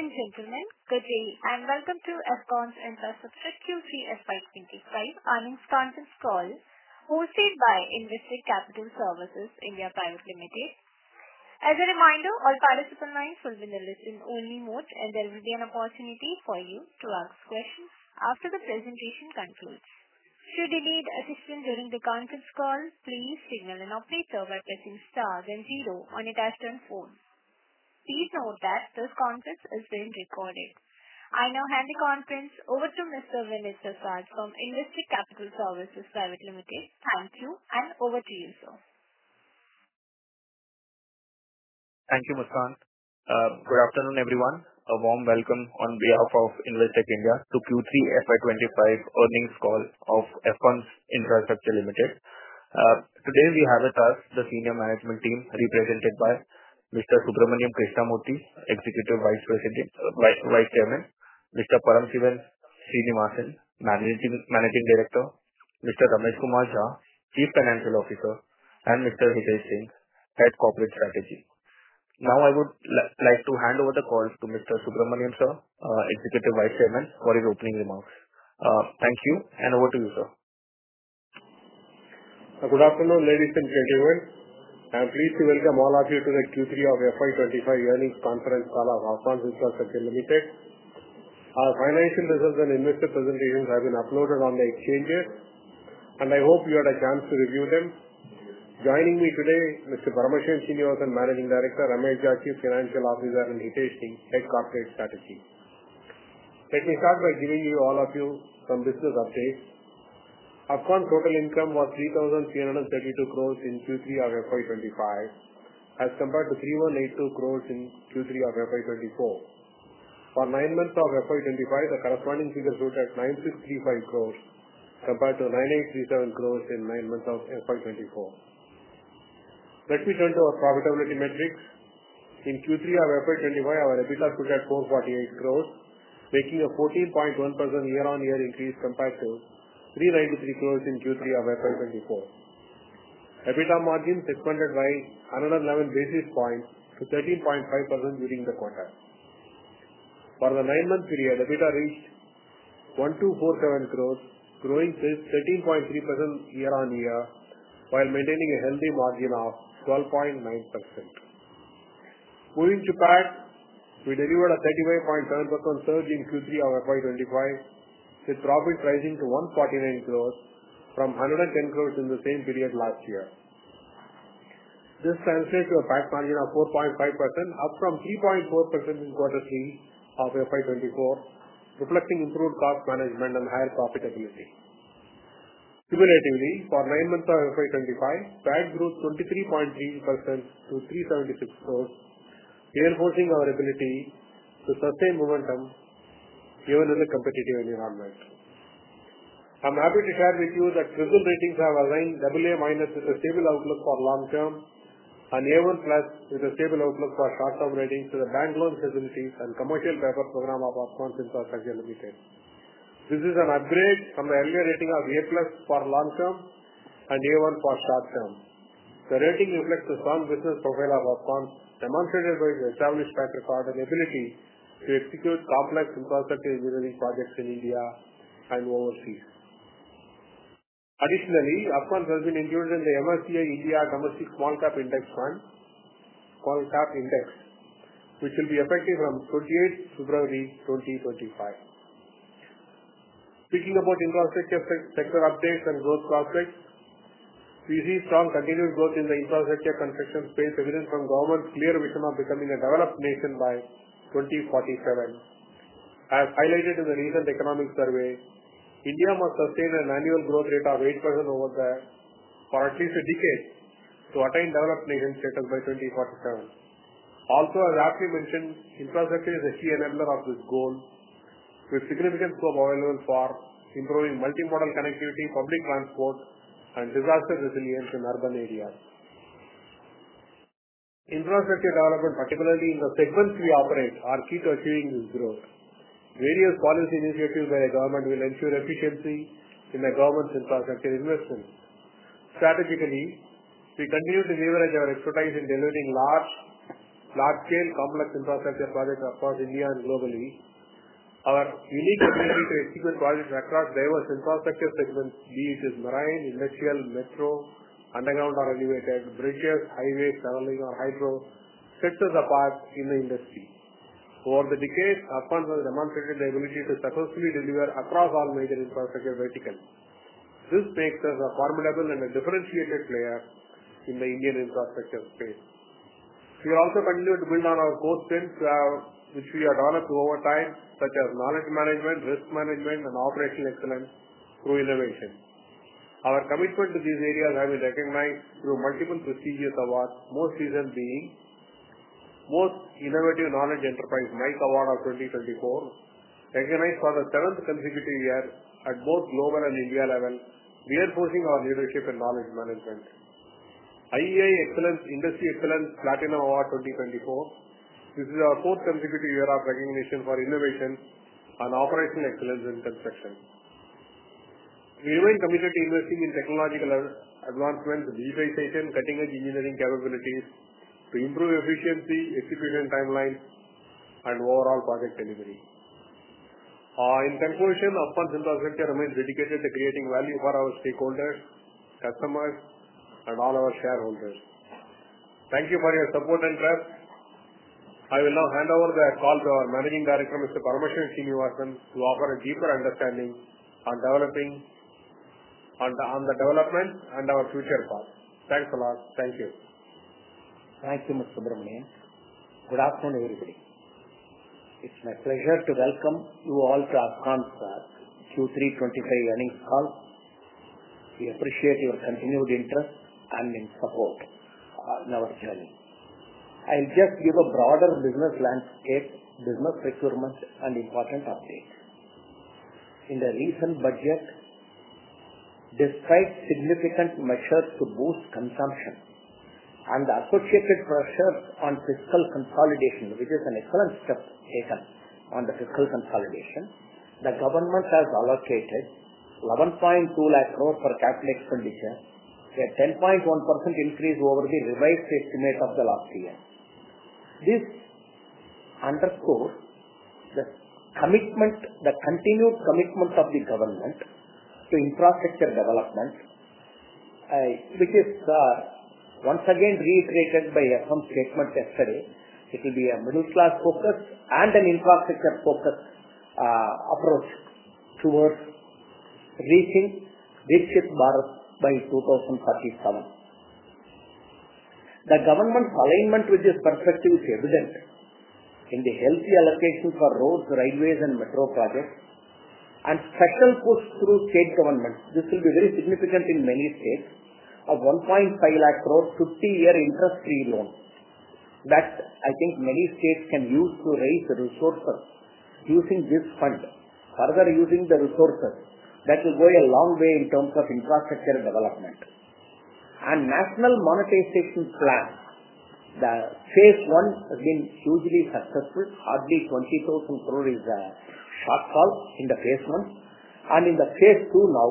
Good afternoon, gentlemen. Good day, and welcome to Afcons Infrastructure Limited's earnings conference call hosted by Investec Capital Services (India) Private Limited. As a reminder, all participant lines will be in a listen-only mode, and there will be an opportunity for you to ask questions after the presentation concludes. Should you need assistance during the conference call, please signal an operator by pressing stars and zero on your touch-tone phone. Please note that this conference is being recorded. I now hand the conference over to Mr. Vinesh Prasad from Investec Capital Services (India) Private Limited. Thank you, and over to you, sir. Thank you, Ms. Khan. Good afternoon, everyone. A warm welcome on behalf of Investec to Q3 FY25 earnings call of Afcons Infrastructure Limited. Today, we have with us the senior management team represented by Mr. Subramanian Krishnamurthy, Executive Vice Chairman, Mr. Paramasivan Srinivasan, Managing Director, Mr. Ramesh K Jha, Chief Financial Officer, and Mr. Hitesh Singh, Head of Corporate Strategy. Now, I would like to hand over the call to Mr. Subramanian, Sir, Executive Vice Chairman, for his opening remarks. Thank you, and over to you, sir. Good afternoon, ladies and gentlemen. Please welcome all of you to the Q3 of FY25 earnings conference call of Afcons Infrastructure Limited. Our financial results and investor presentations have been uploaded on the exchanges, and I hope you had a chance to review them. Joining me today is Mr. Paramasivan, Senior Managing Director, Ramesh Jha, Chief Financial Officer, and Hitesh Singh, Head Corporate Strategy. Let me start by giving all of you some business updates. Afcons' total income was 3,332 crores in Q3 of FY25, as compared to 3,182 crores in Q3 of FY24. For nine months of FY25, the corresponding figures were at 9,635 crores, compared to 9,837 crores in nine months of FY24. Let me turn to our profitability metrics. In Q3 of FY25, our EBITDA stood at 448 crores, making a 14.1% year-on-year increase compared to 393 crores in Q3 of FY24. EBITDA margin strengthened by another 11 basis points to 13.5% during the quarter. For the nine-month period, EBITDA reached 1,247 crores, growing 13.3% year-on-year, while maintaining a healthy margin of 12.9%. Moving to PAT, we delivered a 35.7% surge in Q3 of FY25, with profit rising to 149 crores, from 110 crores in the same period last year. This translates to a PAT margin of 4.5%, up from 3.4% in Q3 of FY24, reflecting improved cost management and higher profitability. Similarly, for nine months of FY25, PAT grew 23.3% to 376 crores, reinforcing our ability to sustain momentum even in the competitive environment. I'm happy to share with you that recent ratings have aligned AA- with a stable outlook for long-term, and A1+ with a stable outlook for short-term ratings to the bank loan facilities and commercial paper program of Afcons Infrastructure Limited. This is an upgrade from the earlier rating of A+ for long-term and A1 for short-term. The rating reflects the strong business profile of Afcons, demonstrated by the established track record and ability to execute complex infrastructure engineering projects in India and overseas. Additionally, Afcons has been included in the MSCI India Domestic Small Cap Index, which will be effective from 28 February 2025. Speaking about infrastructure sector updates and growth prospects, we see strong continued growth in the infrastructure construction space, evident from government's clear vision of becoming a developed nation by 2047. As highlighted in the recent economic survey, India must sustain an annual growth rate of 8% over there for at least a decade to attain developed nation status by 2047. Also, as aptly mentioned, infrastructure is a key enabler of this goal, with significant scope available for improving multimodal connectivity, public transport, and disaster resilience in urban areas. Infrastructure development, particularly in the segments we operate, is key to achieving this growth. Various policy initiatives by the government will ensure efficiency in the government's infrastructure investments. Strategically, we continue to leverage our expertise in delivering large-scale complex infrastructure projects across India and globally. Our unique ability to execute projects across diverse infrastructure segments be it marine, industrial, metro, underground or elevated, bridges, highways, tunneling, or hydro sets us apart in the industry. Over the decades, Afcons has demonstrated the ability to successfully deliver across all major infrastructure verticals. This makes us a formidable and a differentiated player in the Indian infrastructure space. We also continue to build on our growth strengths, which we have developed over time, such as knowledge management, risk management, and operational excellence through innovation. Our commitment to these areas has been recognized through multiple prestigious awards, most recently being the Most Innovative Knowledge Enterprise MIKE Award of 2024, recognized for the seventh consecutive year at both global and India level, reinforcing our leadership in knowledge management. IEI Industry Excellence Platinum Award 2024, this is our fourth consecutive year of recognition for innovation and operational excellence in construction. We remain committed to investing in technological advancements, digitization, and cutting-edge engineering capabilities to improve efficiency, execution timelines, and overall project delivery. In conclusion, Afcons Infrastructure remains dedicated to creating value for our stakeholders, customers, and all our shareholders. Thank you for your support and trust. I will now hand over the call to our Managing Director, Mr. Paramasivan Srinivasan, to offer a deeper understanding on the development and our future path. Thanks a lot. Thank you. Thank you, Mr. Subramanian. Good afternoon, everybody. It's my pleasure to welcome you all to Afcons' Q3 25 earnings call. We appreciate your continued interest and support in our journey. I'll just give a broader business landscape, business procurement, and important updates. In the recent budget, despite significant measures to boost consumption and associated pressures on fiscal consolidation, which is an excellent step taken on the fiscal consolidation, the government has allocated 11.2 lakh crores per capita expenditure, a 10.1% increase over the revised estimate of the last year. This underscores the continued commitment of the government to infrastructure development, which is once again reiterated by Afcons' statement yesterday. It will be a middle-class-focused and an infrastructure-focused approach towards reaching the shift by 2037. The government's alignment with this perspective is evident in the healthy allocation for roads, railways, and metro projects, and special push through state government. This will be very significant in many states of 1.5 lakh crores to 50-year interest-free loans that I think many states can use to raise resources using this fund, further using the resources that will go a long way in terms of infrastructure development. And National Monetization Pipeline, the phase I has been hugely successful. Hardly 20,000 crores is a shortfall in the phase I. And in the phase II now,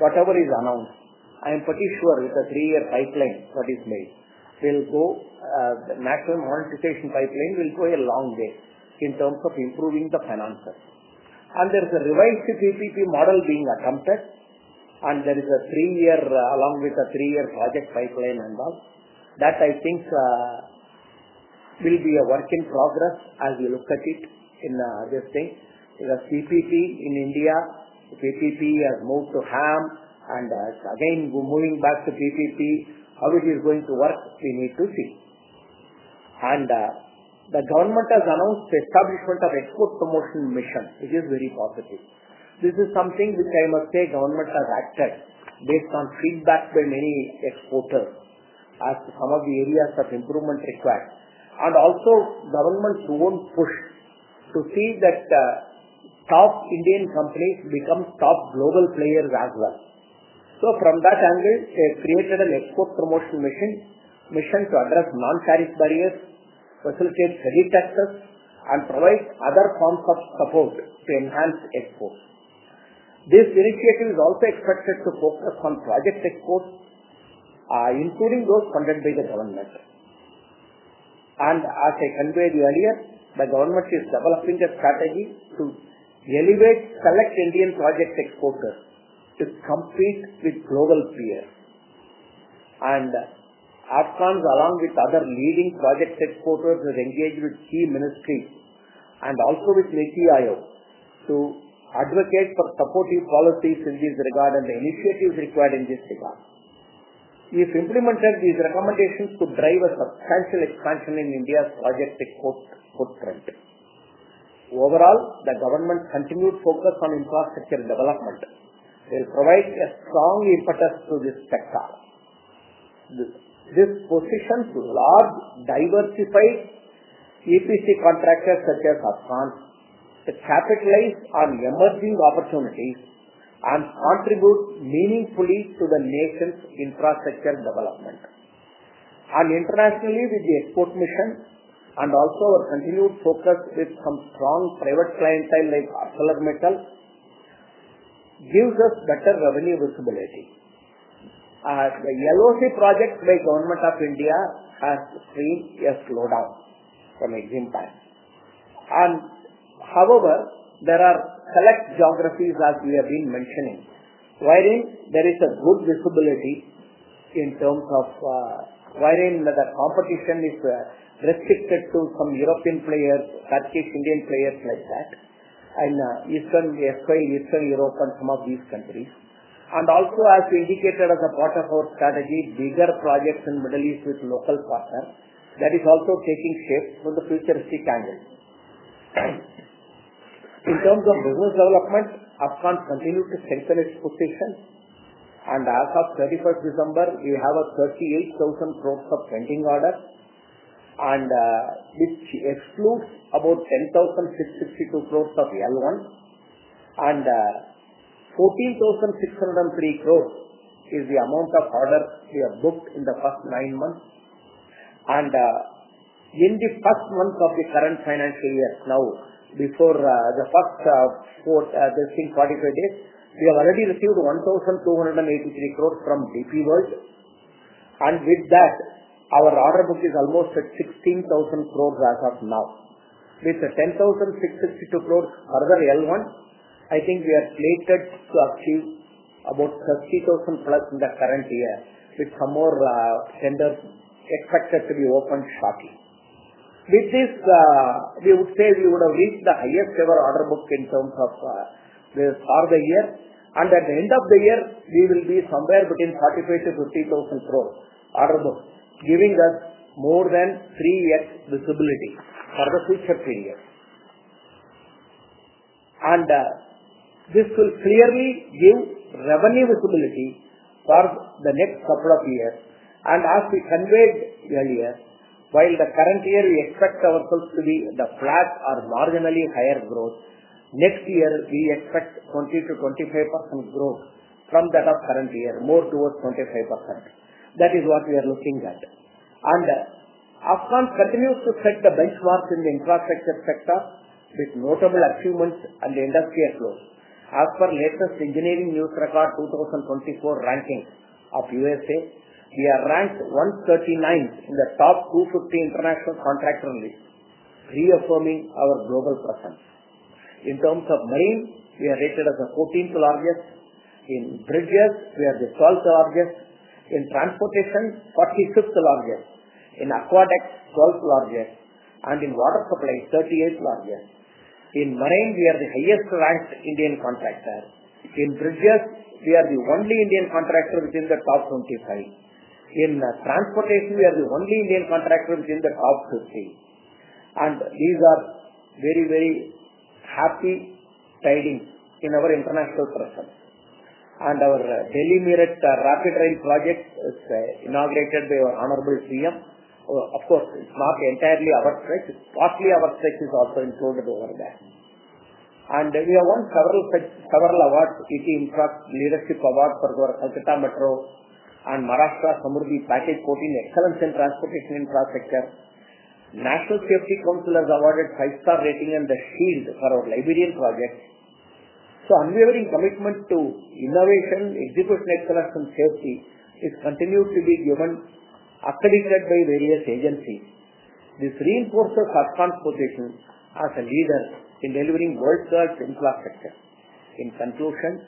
whatever is announced, I am pretty sure with the three-year pipeline that is made, the National Monetization Pipeline will go a long way in terms of improving the finances. And there's a revised PPP model being attempted, and there is a three-year, along with a three-year project pipeline involved that I think will be a work in progress as we look at it in this thing. The PPP in India. PPP has moved to HAM, and again, moving back to PPP, how it is going to work, we need to see. And the government has announced the establishment of an export promotion mission, which is very positive. This is something which I must say government has acted based on feedback by many exporters as to some of the areas of improvement required. And also, government's own push to see that top Indian companies become top global players as well. So from that angle, they've created an export promotion mission to address non-tariff barriers, facilitate credit access, and provide other forms of support to enhance exports. This initiative is also expected to focus on project exports, including those funded by the government. And as I conveyed earlier, the government is developing a strategy to elevate select Indian project exporters to compete with global players. Afcons, along with other leading project exporters, have engaged with key ministries and also with NITI Aayog to advocate for supportive policies in this regard and the initiatives required in this regard. We've implemented these recommendations to drive a substantial expansion in India's project export footprint. Overall, the government's continued focus on infrastructure development will provide a strong impetus to this sector. This position to large, diversified EPC contractors such as Afcons to capitalize on emerging opportunities and contribute meaningfully to the nation's infrastructure development. Internationally, with the export mission and also our continued focus with some strong private clientele like ArcelorMittal, gives us better revenue visibility. The LOC project by the Government of India has seen a slowdown from its impact. However, there are select geographies, as we have been mentioning, wherein there is a good visibility in terms of wherein the competition is restricted to some European players, Turkish, Indian players like that, and Eastern Europe, and some of these countries. Also, as we indicated as a part of our strategy, bigger projects in the Middle East with local partners that is also taking shape from the futuristic angle. In terms of business development, Afcons continues to strengthen its position. As of 31 December, we have 38,000 crores of pending orders, which excludes about 10,662 crores of L1, and 14,603 crores is the amount of orders we have booked in the past nine months. In the first month of the current financial year now, before the first, I think, 45 days, we have already received 1,283 crores from DP World. And with that, our order book is almost at 16,000 crores as of now. With the 10,662 crores further L1, I think we are slated to achieve about 30,000 plus in the current year, with some more tenders expected to be open shortly. With this, we would say we would have reached the highest-ever order book in terms of for the year. And at the end of the year, we will be somewhere between 45-50,000 crores order book, giving us more than 3x visibility for the future period. And this will clearly give revenue visibility for the next couple of years. And as we conveyed earlier, while the current year we expect ourselves to be the flat or marginally higher growth, next year we expect 20%-25% growth from that of current year, more towards 25%. That is what we are looking at. Afcons continues to set the benchmarks in the infrastructure sector with notable achievements and the industry across. As per latest Engineering News-Record 2024 ranking of USA, we are ranked 139th in the top 250 international contractor list, reaffirming our global presence. In terms of marine, we are rated as the 14th largest. In bridges, we are the 12th largest. In transportation, 46th largest. In Aqueducts, 12th largest. In water supply, 38th largest. In marine, we are the highest-ranked Indian contractor. In bridges, we are the only Indian contractor within the top 25. In transportation, we are the only Indian contractor within the top 50. These are very, very happy tidings in our international presence. Our Delhi-Meerut Rapid Rail project is inaugurated by our Honorable CM. Of course, it's not entirely our stretch. It's partly our stretch is also included over there. We have won several awards: ET Infrastructure Leadership Award for our Kolkata Metro and Maharashtra Samruddhi Package 14 Excellence in Transportation Infrastructure. National Safety Council has awarded five-star rating and the Shield for our Liberian project. Unwavering commitment to innovation, execution excellence, and safety is continued to be given, accredited by various agencies. This reinforces Afcons' position as a leader in delivering world-class infrastructure. In conclusion,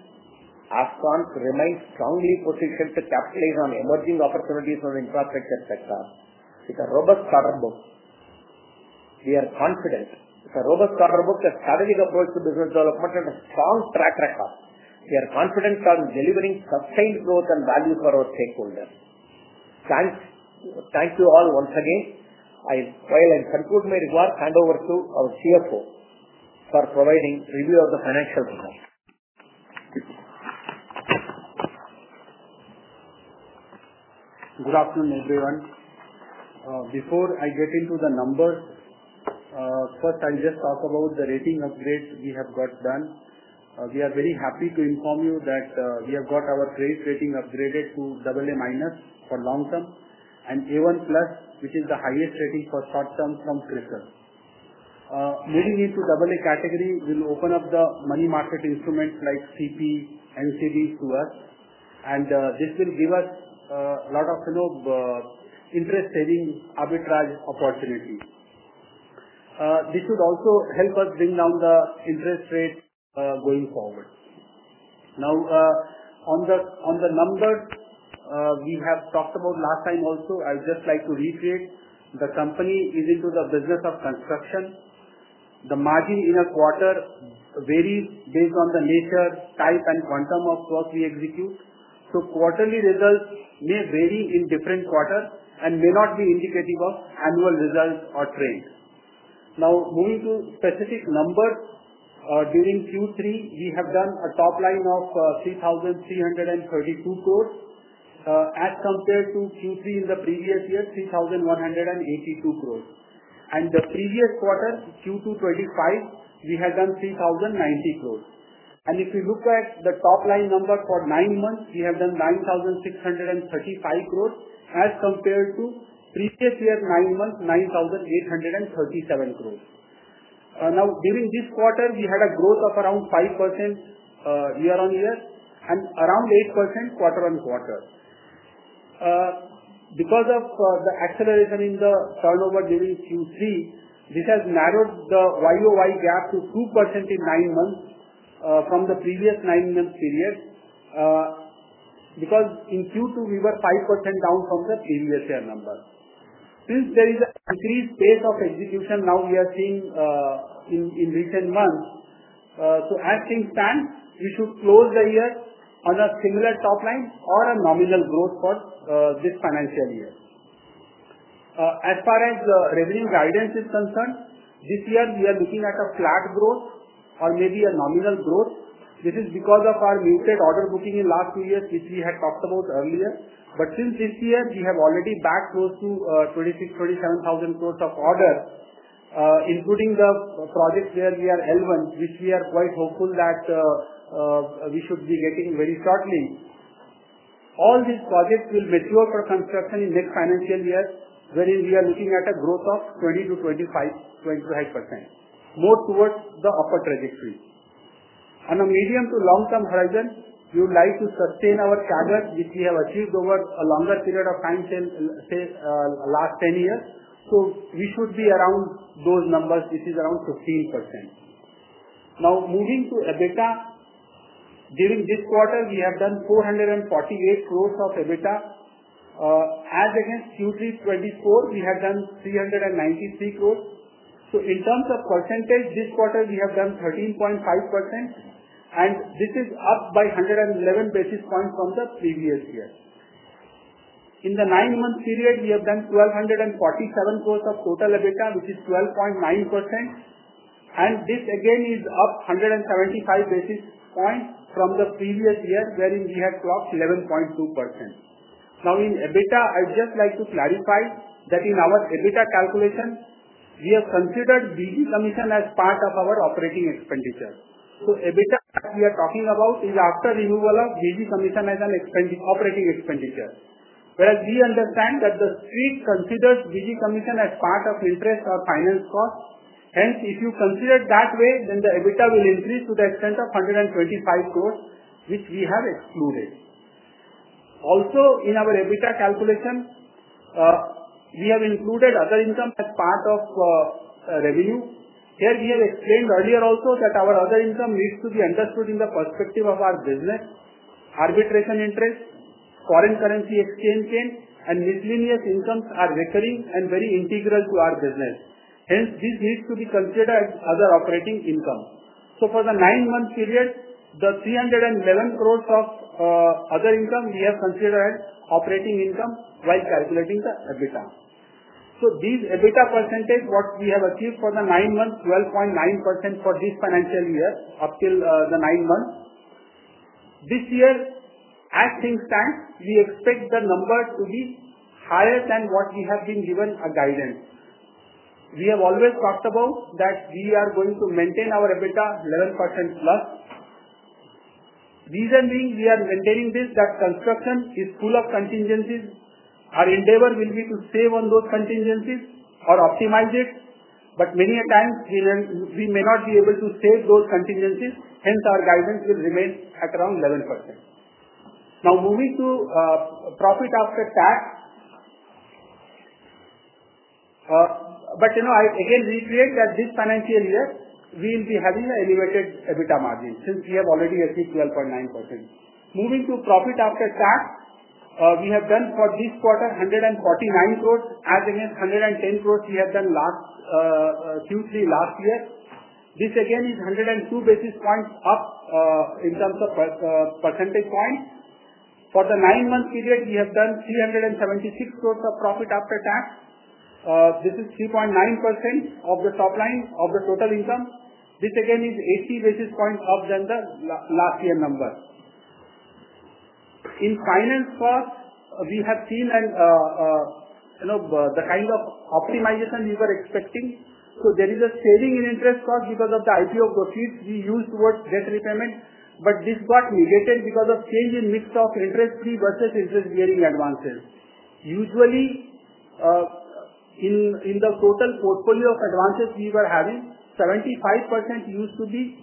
Afcons remains strongly positioned to capitalize on emerging opportunities in the infrastructure sector with a robust order book. We are confident with a robust order book, a strategic approach to business development, and a strong track record. We are confident on delivering sustained growth and value for our stakeholders. Thank you all once again. I'll conclude my remarks and hand over to our CFO for providing review of the financial results. Good afternoon, everyone. Before I get into the numbers, first, I'll just talk about the rating upgrades we have got done. We are very happy to inform you that we have got our credit rating upgraded to AA minus for long term and A1 plus, which is the highest rating for short term from CRISIL. Moving into AA category, we'll open up the money market instruments like CP, NCDs to us, and this will give us a lot of interest-saving arbitrage opportunities. This would also help us bring down the interest rate going forward. Now, on the numbers we have talked about last time also, I would just like to recreate. The company is into the business of construction. The margin in a quarter varies based on the nature, type, and quantum of work we execute. Quarterly results may vary in different quarters and may not be indicative of annual results or trend. Now, moving to specific numbers, during Q3, we have done a top line of 3,332 crores. As compared to Q3 in the previous year, 3,182 crores. The previous quarter, Q2 2025, we had done 3,090 crores. If you look at the top line number for nine months, we have done 9,635 crores as compared to previous year nine months, 9,837 crores. Now, during this quarter, we had a growth of around 5% year on year and around 8% quarter on quarter. Because of the acceleration in the turnover during Q3, this has narrowed the YOY gap to 2% in nine months from the previous nine-month period because in Q2, we were 5% down from the previous year number. Since there is an increased pace of execution now we are seeing in recent months, so as things stand, we should close the year on a similar top line or a nominal growth for this financial year. As far as revenue guidance is concerned, this year we are looking at a flat growth or maybe a nominal growth. This is because of our muted order booking in the last two years, which we had talked about earlier, but since this year, we have already bagged close to 26,000-27,000 crores of orders, including the projects where we are L1, which we are quite hopeful that we should be getting very shortly. All these projects will mature for construction in next financial year, wherein we are looking at a growth of 20%-25%, more towards the upper trajectory. On a medium to long-term horizon, we would like to sustain our target, which we have achieved over a longer period of time last 10 years. So we should be around those numbers, which is around 15%. Now, moving to EBITDA, during this quarter, we have done 448 crores of EBITDA. As against Q3 24, we had done 393 crores. So in terms of percentage, this quarter we have done 13.5%, and this is up by 111 basis points from the previous year. In the nine-month period, we have done 1,247 crores of total EBITDA, which is 12.9%. And this again is up 175 basis points from the previous year, wherein we had clocked 11.2%. Now, in EBITDA, I would just like to clarify that in our EBITDA calculation, we have considered BG Commission as part of our operating expenditure. So EBITDA that we are talking about is after removal of BG Commission as an operating expenditure. Whereas we understand that the street considers BG Commission as part of interest or finance cost. Hence, if you consider it that way, then the EBITDA will increase to the extent of 125 crores, which we have excluded. Also, in our EBITDA calculation, we have included other income as part of revenue. Here we have explained earlier also that our other income needs to be understood in the perspective of our business: arbitration interest, foreign currency exchange gain, and miscellaneous incomes are recurring and very integral to our business. Hence, this needs to be considered as other operating income. So for the nine-month period, the 311 crores of other income we have considered as operating income while calculating the EBITDA. These EBITDA percentages, what we have achieved for the nine months, 12.9% for this financial year up till the nine months. This year, as things stand, we expect the number to be higher than what we have been given a guidance. We have always talked about that we are going to maintain our EBITDA 11% plus. Reason being we are maintaining this that construction is full of contingencies. Our endeavor will be to save on those contingencies or optimize it. But many a times, we may not be able to save those contingencies. Hence, our guidance will remain at around 11%. Now, moving to profit after tax. But again, reiterate that this financial year we will be having an elevated EBITDA margin since we have already achieved 12.9%. Moving to profit after tax, we have done for this quarter 149 crores, as against 110 crores we have done Q3 last year. This again is 102 basis points up in terms of percentage point. For the nine-month period, we have done 376 crores of profit after tax. This is 3.9% of the top line of the total income. This again is 80 basis points up than the last year number. In finance cost, we have seen the kind of optimization we were expecting. So there is a saving in interest cost because of the IPO proceeds we used towards debt repayment. But this got negated because of change in mix of interest-free versus interest-bearing advances. Usually, in the total portfolio of advances we were having, 75% used to be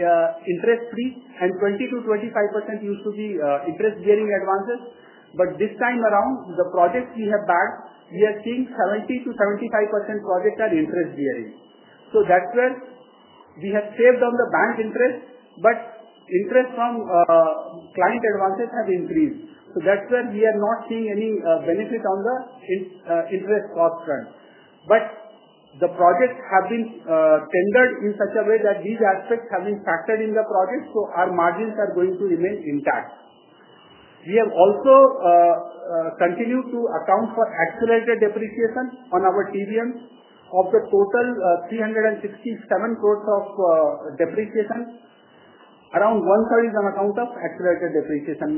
interest-free and 20%-25% used to be interest-bearing advances. But this time around, the projects we have bagged, we are seeing 70%-75% projects are interest-bearing. So that's where we have saved on the bank interest, but interest from client advances have increased. So that's where we are not seeing any benefit on the interest cost front. But the projects have been tendered in such a way that these aspects have been factored in the project, so our margins are going to remain intact. We have also continued to account for accelerated depreciation on our TBMs of the total 367 crores of depreciation. Around one-third is on account of accelerated depreciation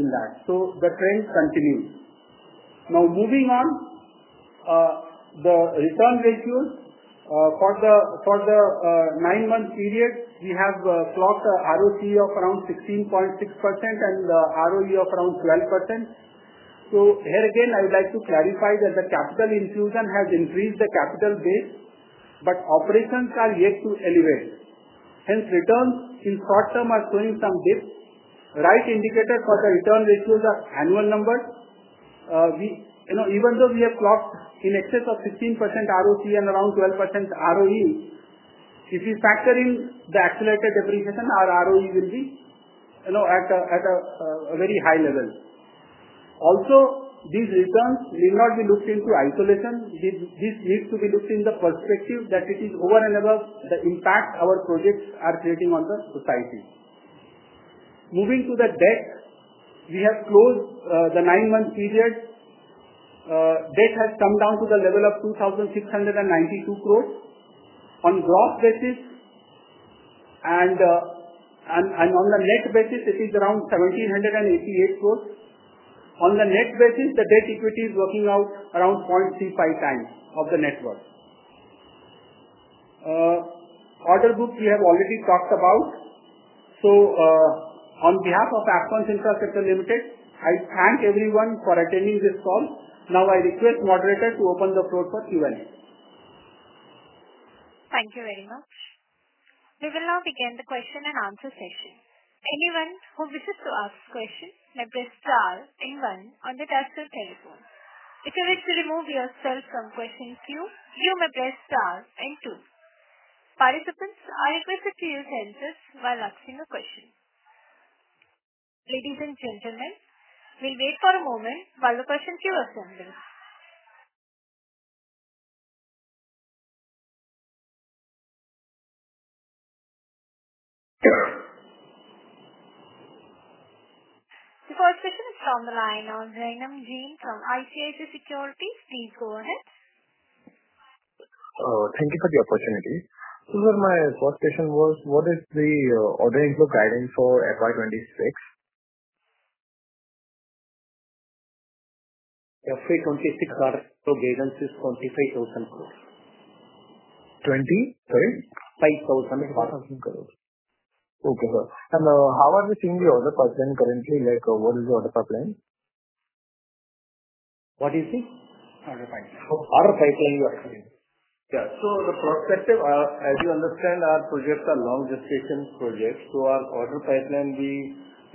in that. So the trend continues. Now, moving on, the return ratios for the nine-month period, we have clocked ROCE of around 16.6% and the ROE of around 12%. So here again, I would like to clarify that the capital infusion has increased the capital base, but operations are yet to elevate. Hence, returns in short term are showing some dips. Right indicator for the return ratios are annual numbers. Even though we have clocked in excess of 15% ROCE and around 12% ROE, if we factor in the accelerated depreciation, our ROE will be at a very high level. Also, these returns need not be looked into isolation. This needs to be looked in the perspective that it is over and above the impact our projects are creating on the society. Moving to the debt, we have closed the nine-month period. Debt has come down to the level of 2,692 crores on gross basis. And on the net basis, it is around 1,788 crores. On the net basis, the debt equity is working out around 0.35 times of the net worth. Order book we have already talked about. So on behalf of Afcons Infrastructure Limited, I thank everyone for attending this call. Now, I request Moderator to open the floor for Q&A. Thank you very much. We will now begin the question and answer session. Anyone who wishes to ask a question may press star and one on the desktop telephone. If you wish to remove yourself from question queue, you may press star and two. Participants are requested to use handsets while asking a question. Ladies and gentlemen, we'll wait for a moment while the question queue assembles. The first question is from the line of Rohan John from ICICI Securities. Please go ahead. Thank you for the opportunity. So my first question was, what is the order inflow guidance for FY 2026? FY 26 order inflow guidance is INR 25,000 crores. 20? Sorry? 5,000. 5,000 crores. Okay. And how are we seeing the order pipeline currently? What is the order pipeline? What is the order pipeline? Order pipeline you are saying? Yeah. So the prospects, as you understand, our projects are long-duration projects. So our order pipeline, we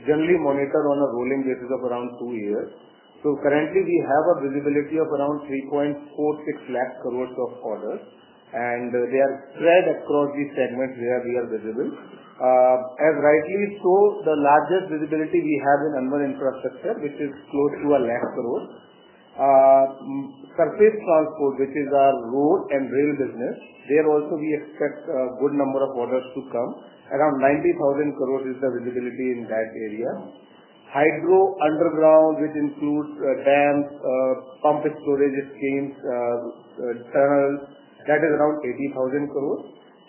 generally monitor on a rolling basis of around two years. So currently, we have a visibility of around 3.46 lakh crore of orders, and they are spread across the segments where we are visible. As rightly so, the largest visibility we have in urban infrastructure, which is close to INR 1 lakh crore. Surface transport, which is our road and rail business, there also we expect a good number of orders to come. Around 90,000 crore is the visibility in that area. Hydro underground, which includes dams, pump storage schemes, tunnels, that is around 80,000 crore.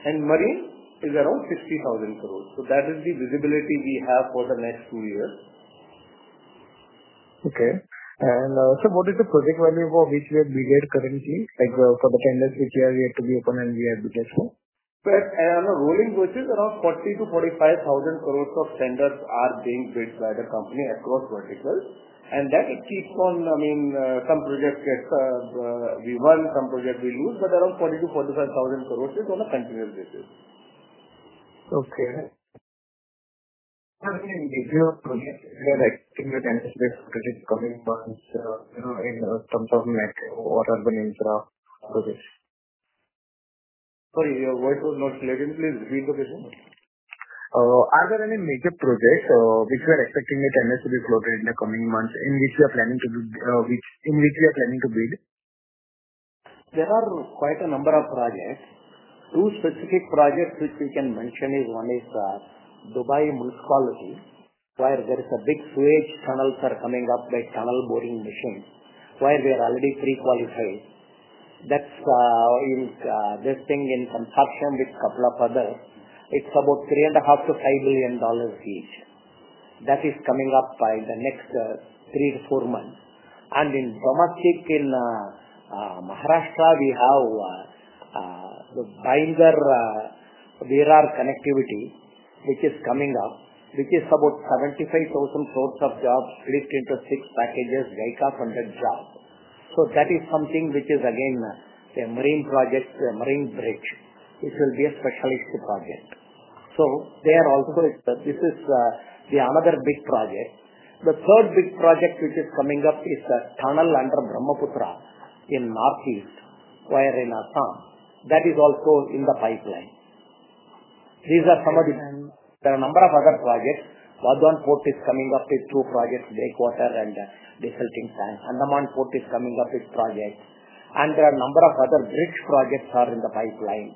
And marine is around 60,000 crore. So that is the visibility we have for the next two years. Okay. And so, what is the project value for which we have bid currently, for the tenders which are to be opened and we have bid for? On the rolling basis, around 40-45 thousand crores of tenders are being bid by the company across verticals. And that keeps on, I mean, some projects get we won, some projects we lose, but around 40-45 thousand crores is on a continuous basis. Okay. Are there any major projects where I can tell you projects coming months in terms of water and infra projects? Sorry, your voice was not clear. Can you please repeat the question? Are there any major projects which we are expecting the tenders to be floated in the coming months in which we are planning to bid? There are quite a number of projects. Two specific projects which we can mention is one is Dubai Municipality, where there is a big sewage tunnel coming up by tunnel boring machine, where we are already pre-qualified. That's investing in consortium with a couple of others. It's about $3.5-$5 billion each. That is coming up by the next 3-4 months. In domestic, in Maharashtra, we have the Bhayandar-Virar connectivity, which is coming up, which is about 75,000 crores of jobs split into six packages, JICA funded jobs. So that is something which is again a marine project, a marine bridge. It will be a specialist project. So there also, this is another big project. The third big project which is coming up is the tunnel under Brahmaputra in Northeast, where in Assam, that is also in the pipeline. These are some of them. There are a number of other projects. Vadhavan Port is coming up with two projects, Breakwater and Desilting Tank. Andaman Port is coming up with projects. There are a number of other bridge projects that are in the pipeline.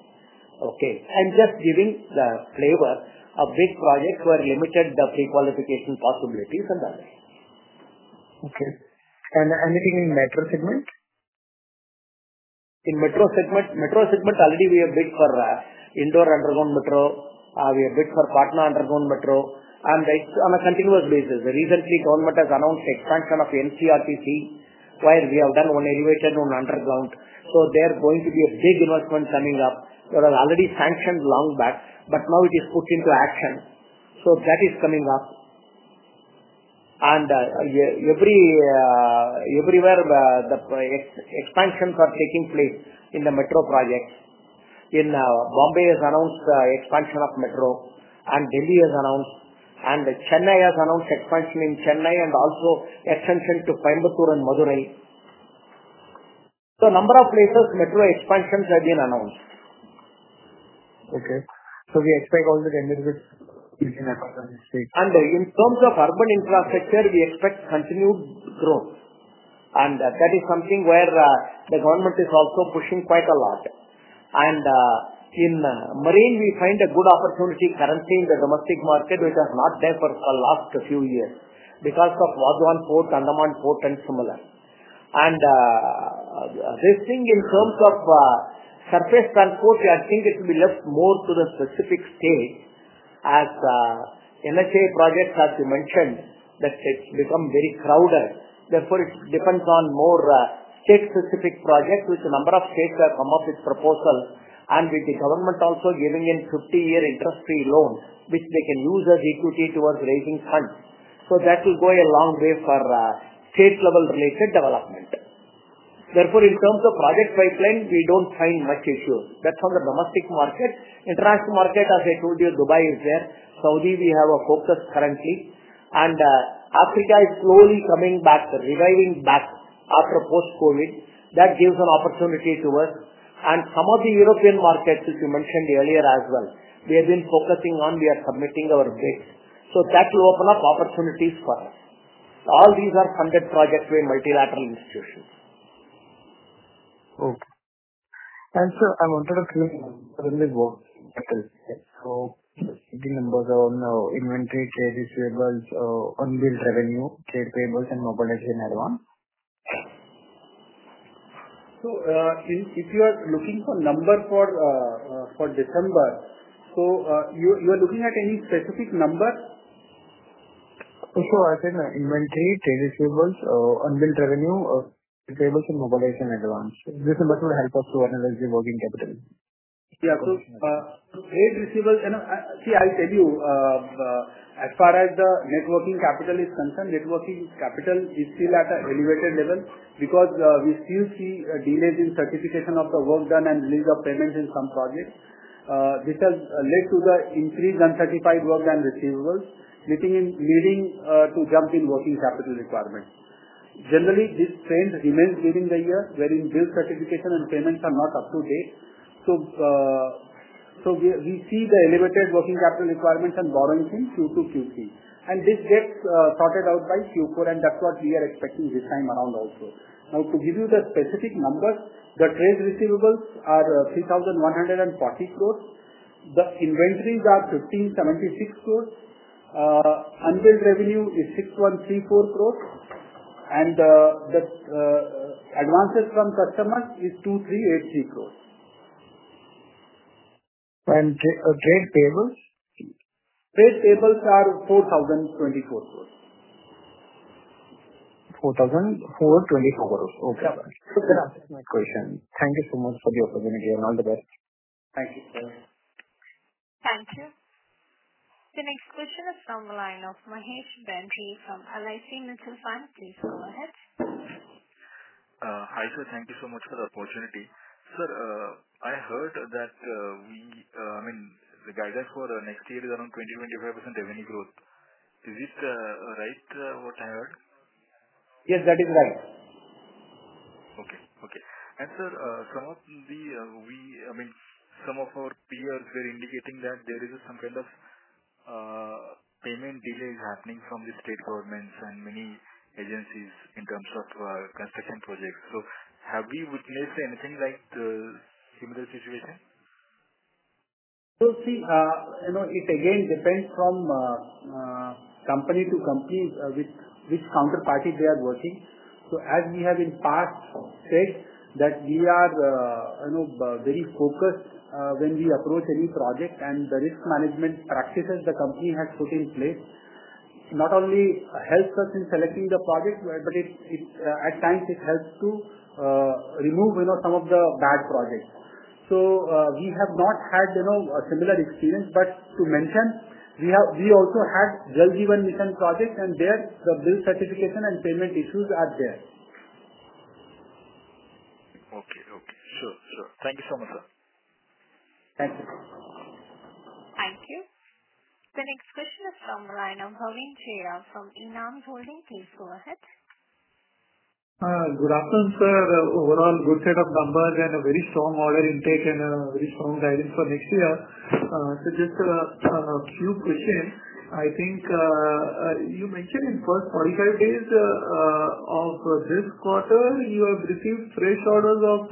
Okay. I'm just giving the flavor of big projects where we limit the pre-qualification possibilities and others. Okay. And anything in metro segment? In metro segment, already we have bid for Indore underground metro. We have bid for Patna underground metro. And it's on a continuous basis. Recently, government has announced the expansion of NCRTC, where we have done one elevated and one underground. So there are going to be a big investment coming up. There are already sanctions long back, but now it is put into action. So that is coming up. And everywhere the expansions are taking place in the metro projects. In Mumbai has announced the expansion of metro. And Delhi has announced. And Chennai has announced expansion in Chennai and also extension to Coimbatore and Madurai. So a number of places metro expansions have been announced. Okay. So we expect also to end it with. In terms of urban infrastructure, we expect continued growth. That is something where the government is also pushing quite a lot. In marine, we find a good opportunity currently in the domestic market, which has not been there for the last few years because of Vadhavan Port, Andaman Port, and similar. In terms of surface transport, I think it will be left more to the specific state as NHA projects have been mentioned that it's become very crowded. Therefore, it depends on more state-specific projects which a number of states have come up with proposals. With the government also giving in 50-year interest-free loans, which they can use as equity towards raising funds. That will go a long way for state-level related development. Therefore, in terms of project pipeline, we don't find much issues. That's on the domestic market. International market, as I told you, Dubai is there. Saudi, we have a focus currently, and Africa is slowly coming back, reviving back after post-COVID. That gives an opportunity to us, and some of the European markets, which you mentioned earlier as well, we have been focusing on. We are submitting our bids, so that will open up opportunities for us. All these are funded projects by multilateral institutions. Okay. Sir, I wanted to ask a quick follow-up. Capital. The numbers are on inventory, trade receivables, unbilled revenue, trade payables, and mobilization advance. If you are looking for number for December, so you are looking at any specific number? As in inventory, trade receivables, unbilled revenue, trade payables, and mobilization advance. This number will help us to analyze the working capital. Yeah. So trade receivables, see, I'll tell you, as far as the working capital is concerned, working capital is still at an elevated level because we still see delays in certification of the work done and delays of payments in some projects. This has led to the increased uncertified work and receivables, leading to jump in working capital requirements. Generally, this trend remains during the year wherein bill certification and payments are not up to date. So we see the elevated working capital requirements and borrowings in Q2, Q3. And this gets sorted out by Q4, and that's what we are expecting this time around also. Now, to give you the specific numbers, the trade receivables are 3,140 crores. The inventories are 1,576 crores. Unbilled revenue is 6,134 crores. And the advances from customers is 2,383 crores. Trade payables? Trade payables are 4,024 crores. 4,424 crores. Okay. That's my question. Thank you so much for the opportunity and all the best. Thank you, sir. Thank you. The next question is from the line of Mahesh Bendre from LIC Mutual Fund. Please go ahead. Hi sir, thank you so much for the opportunity. Sir, I heard that we, I mean, the guidance for next year is around 20%-25% revenue growth. Is it right what I heard? Yes, that is right. And sir, some of the, I mean, some of our peers were indicating that there is some kind of payment delays happening from the state governments and many agencies in terms of construction projects. So have we witnessed anything like the similar situation? See, it again depends from company to company with which counterparty they are working. So as we have in past said that we are very focused when we approach any project and the risk management practices the company has put in place not only helps us in selecting the project, but at times it helps to remove some of the bad projects. So we have not had a similar experience, but to mention, we also had Jal Jeevan Mission project, and there the bill certification and payment issues are there. Okay. Sure. Thank you so much, sir. Thank you. Thank you. The next question is from Rana Bhavin Jha from Enam Holdings. Please go ahead. Good afternoon, sir. Overall, a good set of numbers and a very strong order intake and a very strong guidance for next year. So just a few questions. I think you mentioned in the first 45 days of this quarter, you have received fresh orders of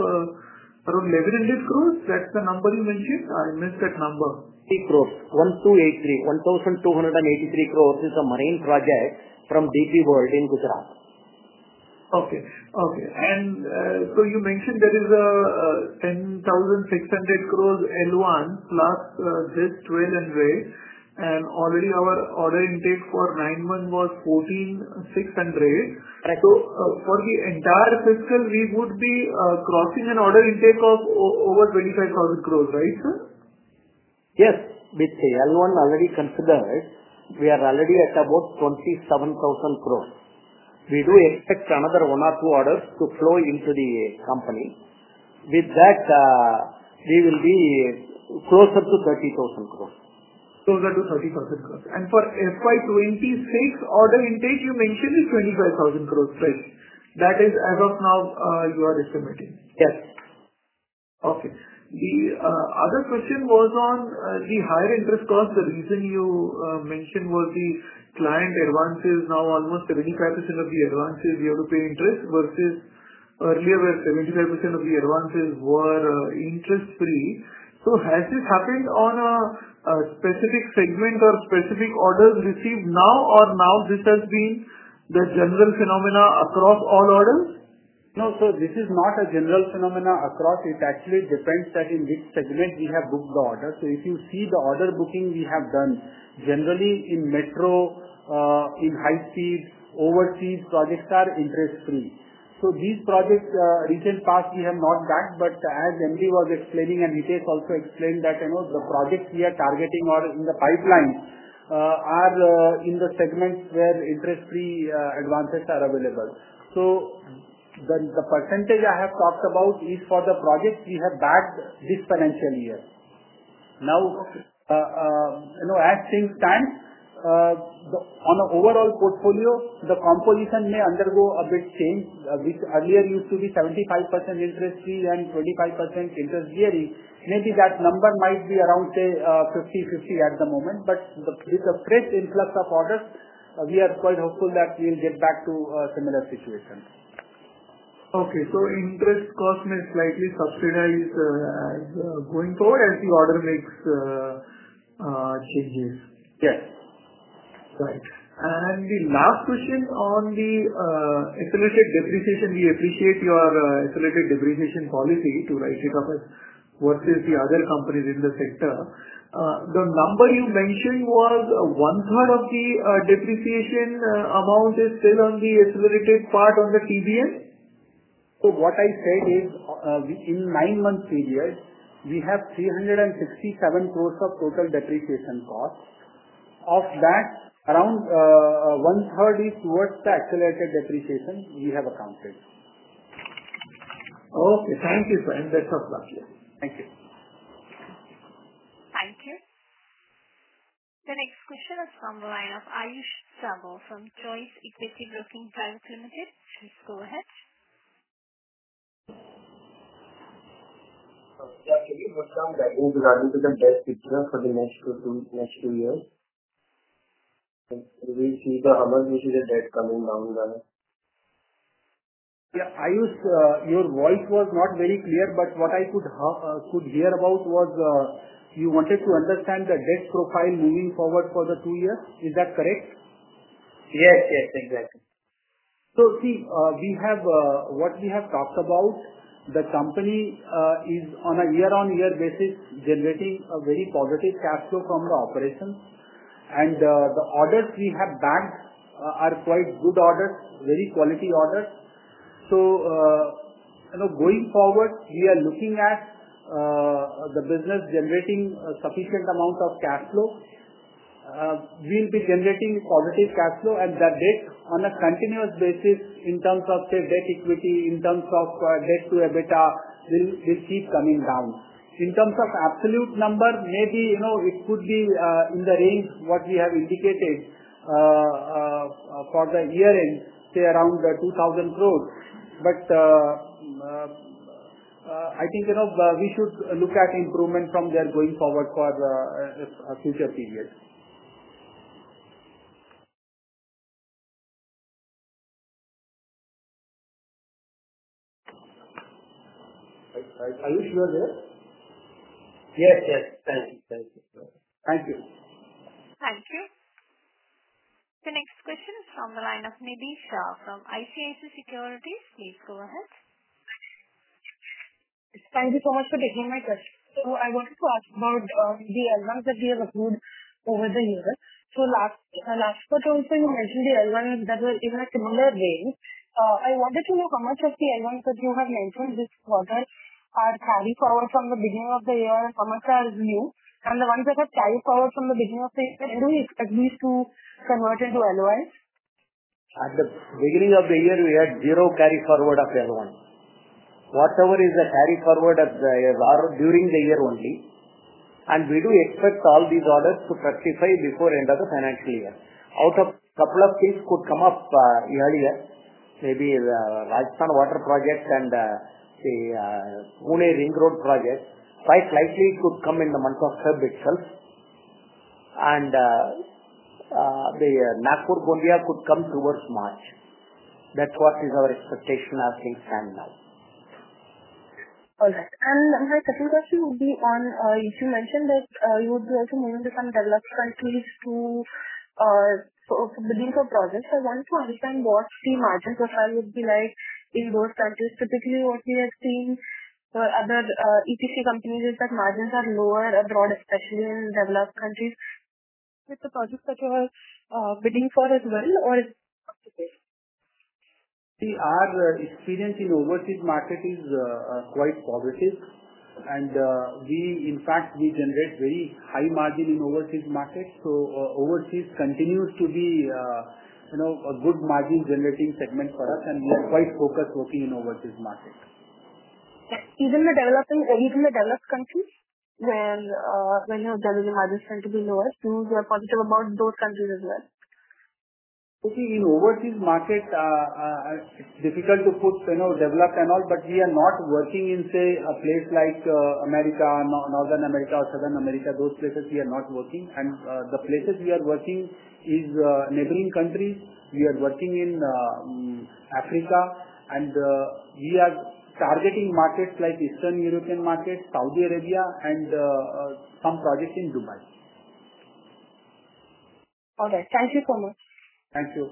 around 1,100 crores. That's the number you mentioned? I missed that number. 1,283 crores is a marine project from DP World in Gujarat. And so you mentioned there is 10,600 crores L1 plus just trail and rail. And already our order intake for 91 was 14,600. So for the entire fiscal, we would be crossing an order intake of over 25,000 crores, right, sir? Yes. With the L1 already considered, we are already at about 27,000 crores. We do expect another one or two orders to flow into the company. With that, we will be closer to 30,000 crores. Closer to 30,000 crores. And for FY 26, order intake you mentioned is 25,000 crores, right? That is as of now you are estimating? Yes. Okay. The other question was on the higher interest cost. The reason you mentioned was the client advances now almost 75% of the advances you have to pay interest versus earlier where 75% of the advances were interest-free. So has this happened on a specific segment or specific orders received now, or now this has been the general phenomena across all orders? No, sir. This is not a general phenomenon across. It actually depends that in which segment we have booked the orders. So if you see the order booking we have done, generally in metro, in high-speed, overseas projects are interest-free. So these projects, recent past, we have not done that, but as MD was explaining and he has also explained that the projects we are targeting or in the pipeline are in the segments where interest-free advances are available. So the percentage I have talked about is for the projects we have backed this financial year. Now, as things stand, on the overall portfolio, the composition may undergo a bit change, which earlier used to be 75% interest-free and 25% interest-bearing. Maybe that number might be around, say, 50-50 at the moment, but with the fresh influx of orders, we are quite hopeful that we will get back to a similar situation. Okay. So interest cost may slightly subside going forward as the order book changes. Yes. Right. And the last question on the accelerated depreciation. We appreciate your accelerated depreciation policy to write it off versus the other companies in the sector. The number you mentioned was one-third of the depreciation amount is still on the accelerated part on the TBM? So what I said is in nine-month period, we have 367 crores of total depreciation cost. Of that, around one-third is towards the accelerated depreciation we have accounted. Okay. Thank you, sir, and best of luck. Thank you. Thank you. The next question is from Ayush Saboo from Choice Equity Broking Private Limited. Please go ahead. Yeah. Can you confirm that you will run us through the debt picture for the next two years? We see the amount of debt coming down there. Yeah. Ayush, your voice was not very clear, but what I could hear about was you wanted to understand the debt profile moving forward for the two years. Is that correct? Yes. Yes. Exactly. So see, what we have talked about, the company is on a year-on-year basis generating a very positive cash flow from the operations, and the orders we have backed are quite good orders, very quality orders, so going forward, we are looking at the business generating sufficient amounts of cash flow. We'll be generating positive cash flow, and that debt on a continuous basis in terms of, say, debt equity, in terms of debt to EBITDA, will keep coming down. In terms of absolute number, maybe it could be in the range what we have indicated for the year-end, say, around 2,000 crores, but I think we should look at improvement from there going forward for a future period. Ayush, you are there? Yes. Yes. Thank you. Thank you. Thank you. Thank you. The next question is from the line of Nidhi Shah from ICICI Securities. Please go ahead. Thank you so much for taking my question. I wanted to ask about the L1s that we have accrued over the year. Last quarter, also, you mentioned the L1s that were in a similar range. I wanted to know how much of the L1s that you have mentioned this quarter are carry forward from the beginning of the year and how much are new. The ones that have carry forward from the beginning of the year, do we expect these to convert into L1s? At the beginning of the year, we had zero carry forward of L1. Whatever is the carry forward during the year only, and we do expect all these orders to fructify before the end of the financial year. Out of a couple of things could come up earlier. Maybe the Rajasthan Water Project and the Pune Ring Road Project, quite likely it could come in the month of February itself, and the Nagpur-Gondia could come towards March. That's what is our expectation as things stand now. All right. And my second question would be on, you mentioned that you would be also moving to some developed countries for bidding for projects. I want to understand what the margins of that would be like in those countries. Typically, what we have seen for other EPC companies is that margins are lower abroad, especially in developed countries. With the projects that you are bidding for as well, or is it up to date? See, our experience in overseas market is quite positive. And in fact, we generate very high margin in overseas markets. So overseas continues to be a good margin-generating segment for us, and we are quite focused working in overseas markets. Even the developed countries where there are margins tend to be lower, you are positive about those countries as well? See, in overseas markets, it's difficult to put developed and all, but we are not working in, say, a place like America, Northern America, or Southern America. Those places, we are not working. And the places we are working are neighboring countries. We are working in Africa, and we are targeting markets like Eastern European markets, Saudi Arabia, and some projects in Dubai. All right. Thank you so much. Thank you.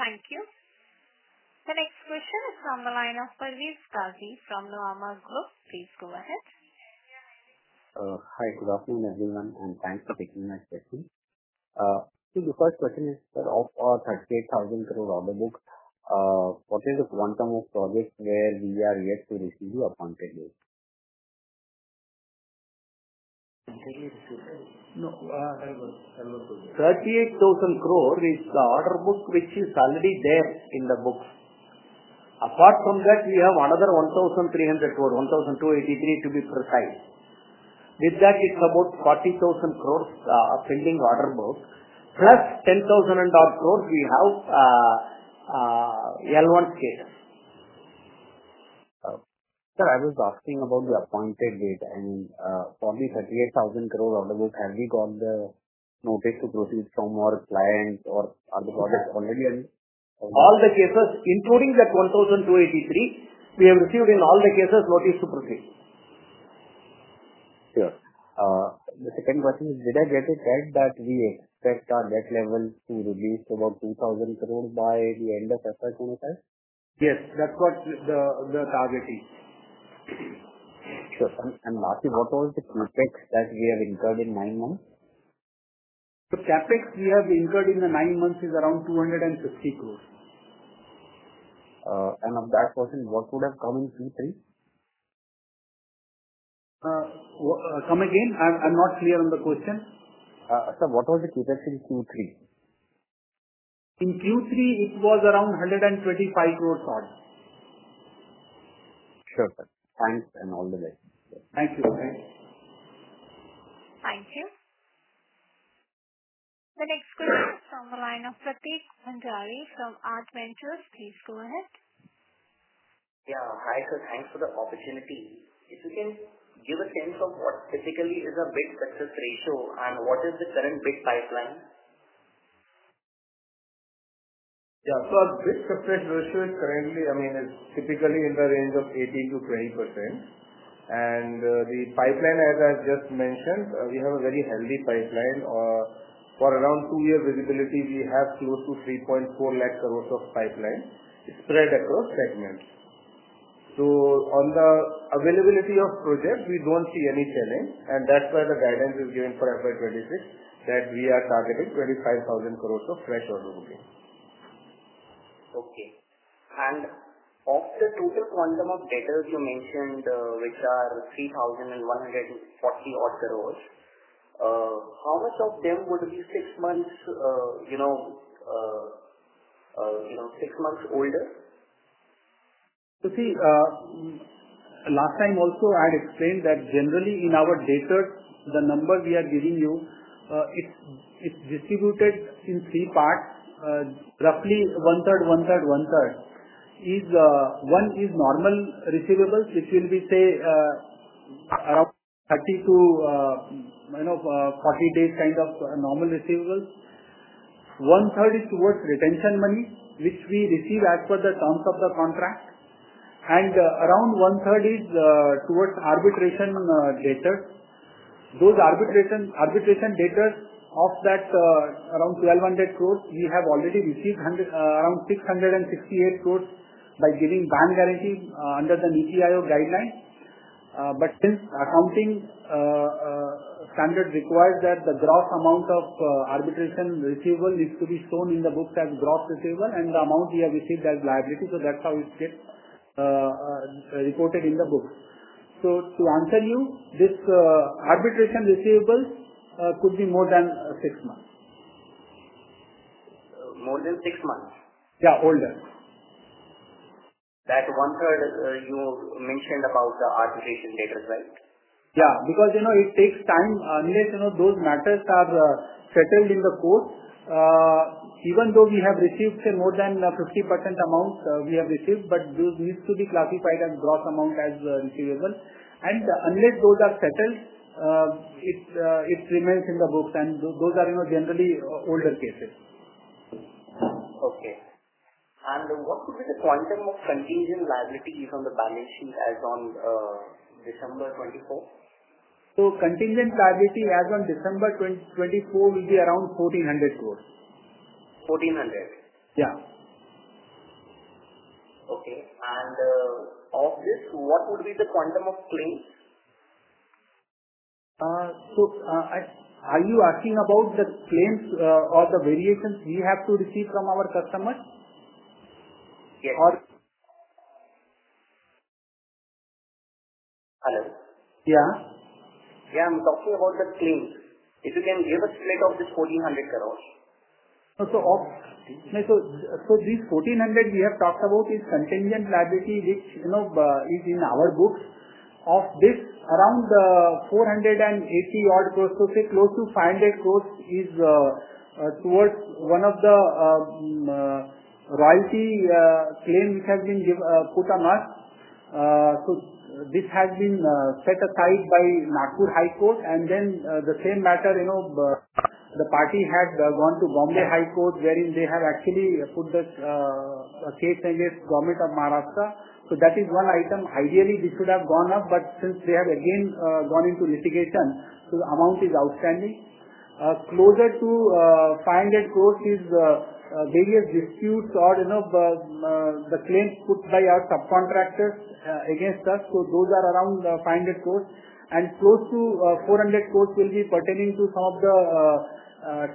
Thank you. The next question is from the line of Parvez Qazi from Nuvama Group. Please go ahead. Hi. Good afternoon, everyone, and thanks for taking my question. So the first question is, of our 38,000 crore order book, what is the quantum of projects where we are yet to receive the appointed list? No, that was good. 38,000 crore is the order book which is already there in the book. Apart from that, we have another 1,300 crore, 1,283 to be precise. With that, it's about 40,000 crore pending order book. Plus 10,000 and odd crore, we have L1 status. Sir, I was asking about the appointed date. I mean, for the 38,000 crore order book, have we got the notice to proceed from our client, or are the projects already? All the cases, including the 1,283, we have received in all the cases notice to proceed. Sure. The second question is, did I get it right that we expect our debt level to release about 2,000 crore by the end of FY 25? Yes. That's what the target is. Sure. And lastly, what was the CapEx that we have incurred in nine months? The CapEx we have incurred in the nine months is around 250 crore. Of that portion, what would have come in Q3? Come again? I'm not clear on the question. Sir, what was the CapEx in Q3? In Q3, it was around 125 crore solid. Sure. Thanks and all the best. Thank you. Thanks. Thank you. The next question is from the line of Pratik Bhandari from Arth Ventures. Please go ahead. Yeah. Hi sir. Thanks for the opportunity. If you can give a sense of what typically is a bid success ratio and what is the current bid pipeline? Yeah, so our bid success ratio is currently. I mean, it's typically in the range of 18%-20%. And the pipeline, as I just mentioned, we have a very healthy pipeline. For around two years visibility, we have close to 3.4 lakh crores of pipeline spread across segments. So on the availability of projects, we don't see any challenge. And that's why the guidance is given for FY 2026 that we are targeting 25,000 crores of fresh order booking. Okay. And of the total quantum of debtors you mentioned, which are 3,140-odd crores, how much of them would be six months older? So see, last time also I had explained that generally in our data, the number we are giving you, it's distributed in three parts. Roughly one-third, one-third, one-third. One is normal receivables, which will be, say, around 30-40 days kind of normal receivables. One-third is towards retention money, which we receive as per the terms of the contract. And around one-third is towards arbitration data. Those arbitration datas of that around 1,200 crores, we have already received around 668 crores by giving bank guarantee under the NITI Aayog guideline. But since accounting standards require that the gross amount of arbitration receivable needs to be shown in the books as gross receivable, and the amount we have received as liability. So that's how it gets reported in the books. So to answer you, this arbitration receivable could be more than six months. More than six months? Yeah. Older. That one-third you mentioned about the arbitration data, right? Yeah. Because it takes time unless those matters are settled in the court. Even though we have received, say, more than 50% amount we have received, but those need to be classified as gross amount as receivable, and unless those are settled, it remains in the books, and those are generally older cases. Okay. And what would be the quantum of contingent liability on the balance sheet as on December 31, 2024? Contingent liability as on December 2024 will be around 1,400 crores. 1,400? Yeah. Okay, and of this, what would be the quantum of claims? So are you asking about the claims or the variations we have to receive from our customers? Yes. Hello? Yeah? Yeah. I'm talking about the claims. If you can give a split of this 1,400 crores? These 1,400 we have talked about is contingent liability, which is in our books. Of this, around 480-odd crores, so say close to 500 crores is towards one of the royalty claims which has been put on us. This has been set aside by Nagpur High Court. The same matter, the party had gone to Bombay High Court, wherein they have actually put the case against the Government of Maharashtra. That is one item. Ideally, this would have gone up, but since they have again gone into litigation, so the amount is outstanding. Closer to INR 500 crores is various disputes or the claims put by our subcontractors against us. Those are around 500 crores. Close to 400 crores will be pertaining to some of the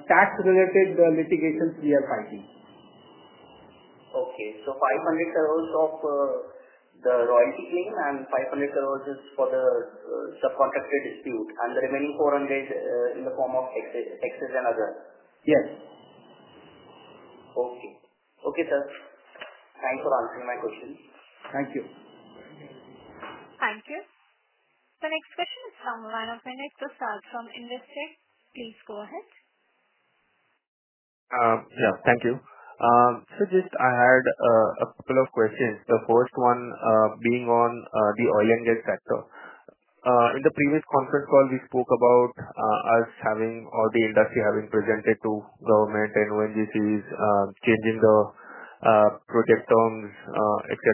tax-related litigations we are fighting. Okay. So 500 crores of the royalty claim and 500 crores is for the subcontractor dispute, and the remaining 400 in the form of taxes and other? Yes. Okay. Okay, sir. Thanks for answering my question. Thank you. Thank you. The next question is from the line of Ayush Saboo from Choice Equity Broking. Please go ahead. Yeah. Thank you. So just I had a couple of questions. The first one being on the oil and gas sector. In the previous conference call, we spoke about us having all the industry having presented to government and ONGC's changing the project terms, etc.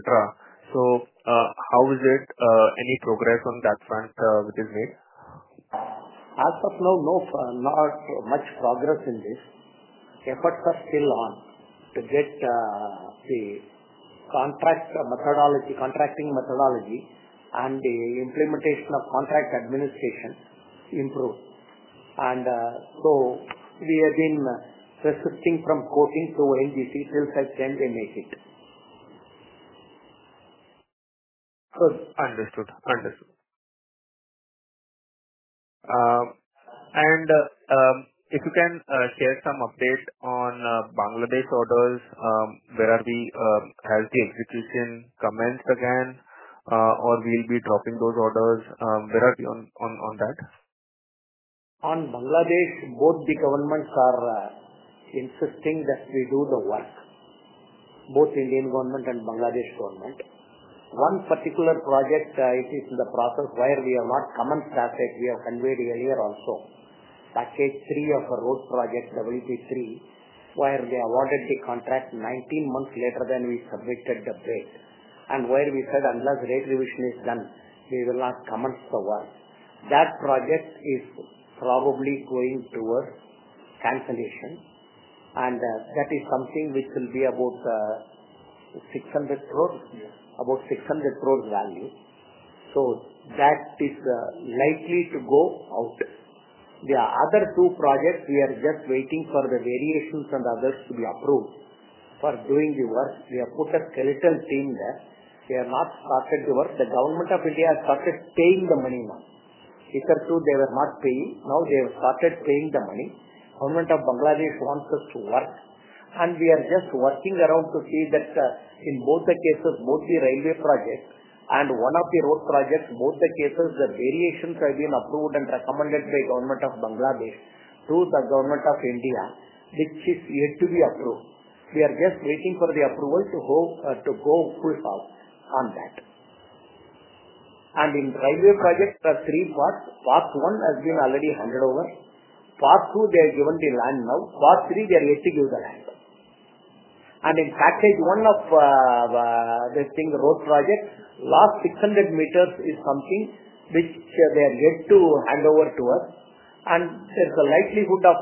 So how is it? Any progress on that front which is made? As of now, no, not much progress in this. Efforts are still on to get the contract methodology, contracting methodology, and the implementation of contract administration improved, and so we have been persisting from quoting to ONGC's till such end we make it. Understood. Understood. And if you can share some update on Bangladesh orders, where are we? Has the execution commenced again, or will be dropping those orders? Where are we on that? On Bangladesh, both the governments are insisting that we do the work, both Indian government and Bangladesh government. One particular project, it is in the process where we have not common statute. We have conveyed earlier also, Package Three of the Road Project, WP3, where they awarded the contract 19 months later than we submitted the bid. And where we said, "Unless rate revision is done, we will not commence the work." That project is probably going towards cancellation. And that is something which will be about 600 crore, about 600 crore value. So that is likely to go out. The other two projects, we are just waiting for the variations and others to be approved for doing the work. We have put a skeleton team there. We have not started the work. The government of India has started paying the money now. Earlier too, they were not paying. Now they have started paying the money. The Government of Bangladesh wants us to work. And we are just working around to see that in both the cases, both the railway project and one of the road projects, both the cases, the variations have been approved and recommended by the Government of Bangladesh to the Government of India, which is yet to be approved. We are just waiting for the approval to go full force on that. And in the railway project, there are three parts. Part one has been already handed over. Part two, they have given the land now. Part three, they are yet to give the land. And in Package One of the thing, the road project, the last 600 meters is something which they are yet to hand over to us. There's a likelihood of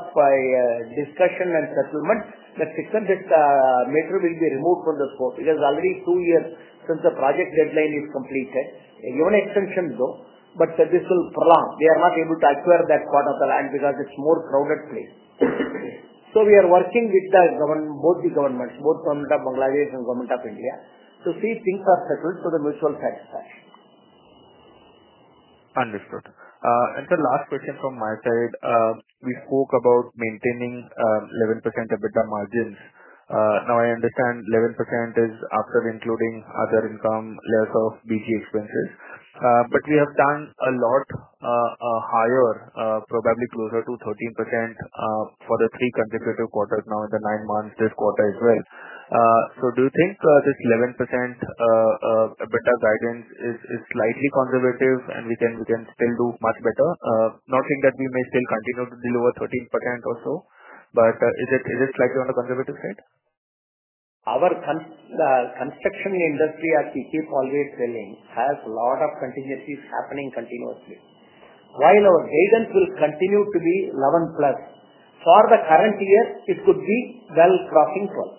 discussion and settlement that 600 meters will be removed from the scope because already two years since the project deadline is completed. They give an extension though, but this will prolong. They are not able to acquire that part of the land because it's a more crowded place. We are working with both the governments, both Government of Bangladesh and Government of India, to see if things are settled to the mutual satisfaction. Understood. And sir, last question from my side. We spoke about maintaining 11% EBITDA margins. Now I understand 11% is after including other income, less of BG expenses. But we have done a lot higher, probably closer to 13% for the three consecutive quarters now in the nine months, this quarter as well. So do you think this 11% EBITDA guidance is slightly conservative, and we can still do much better? Not saying that we may still continue to deliver 13% or so, but is it slightly on the conservative side? Our construction industry at Afcons always evolving has a lot of contingencies happening continuously. While our guidance will continue to be 11 plus. For the current year, it could be well crossing 12,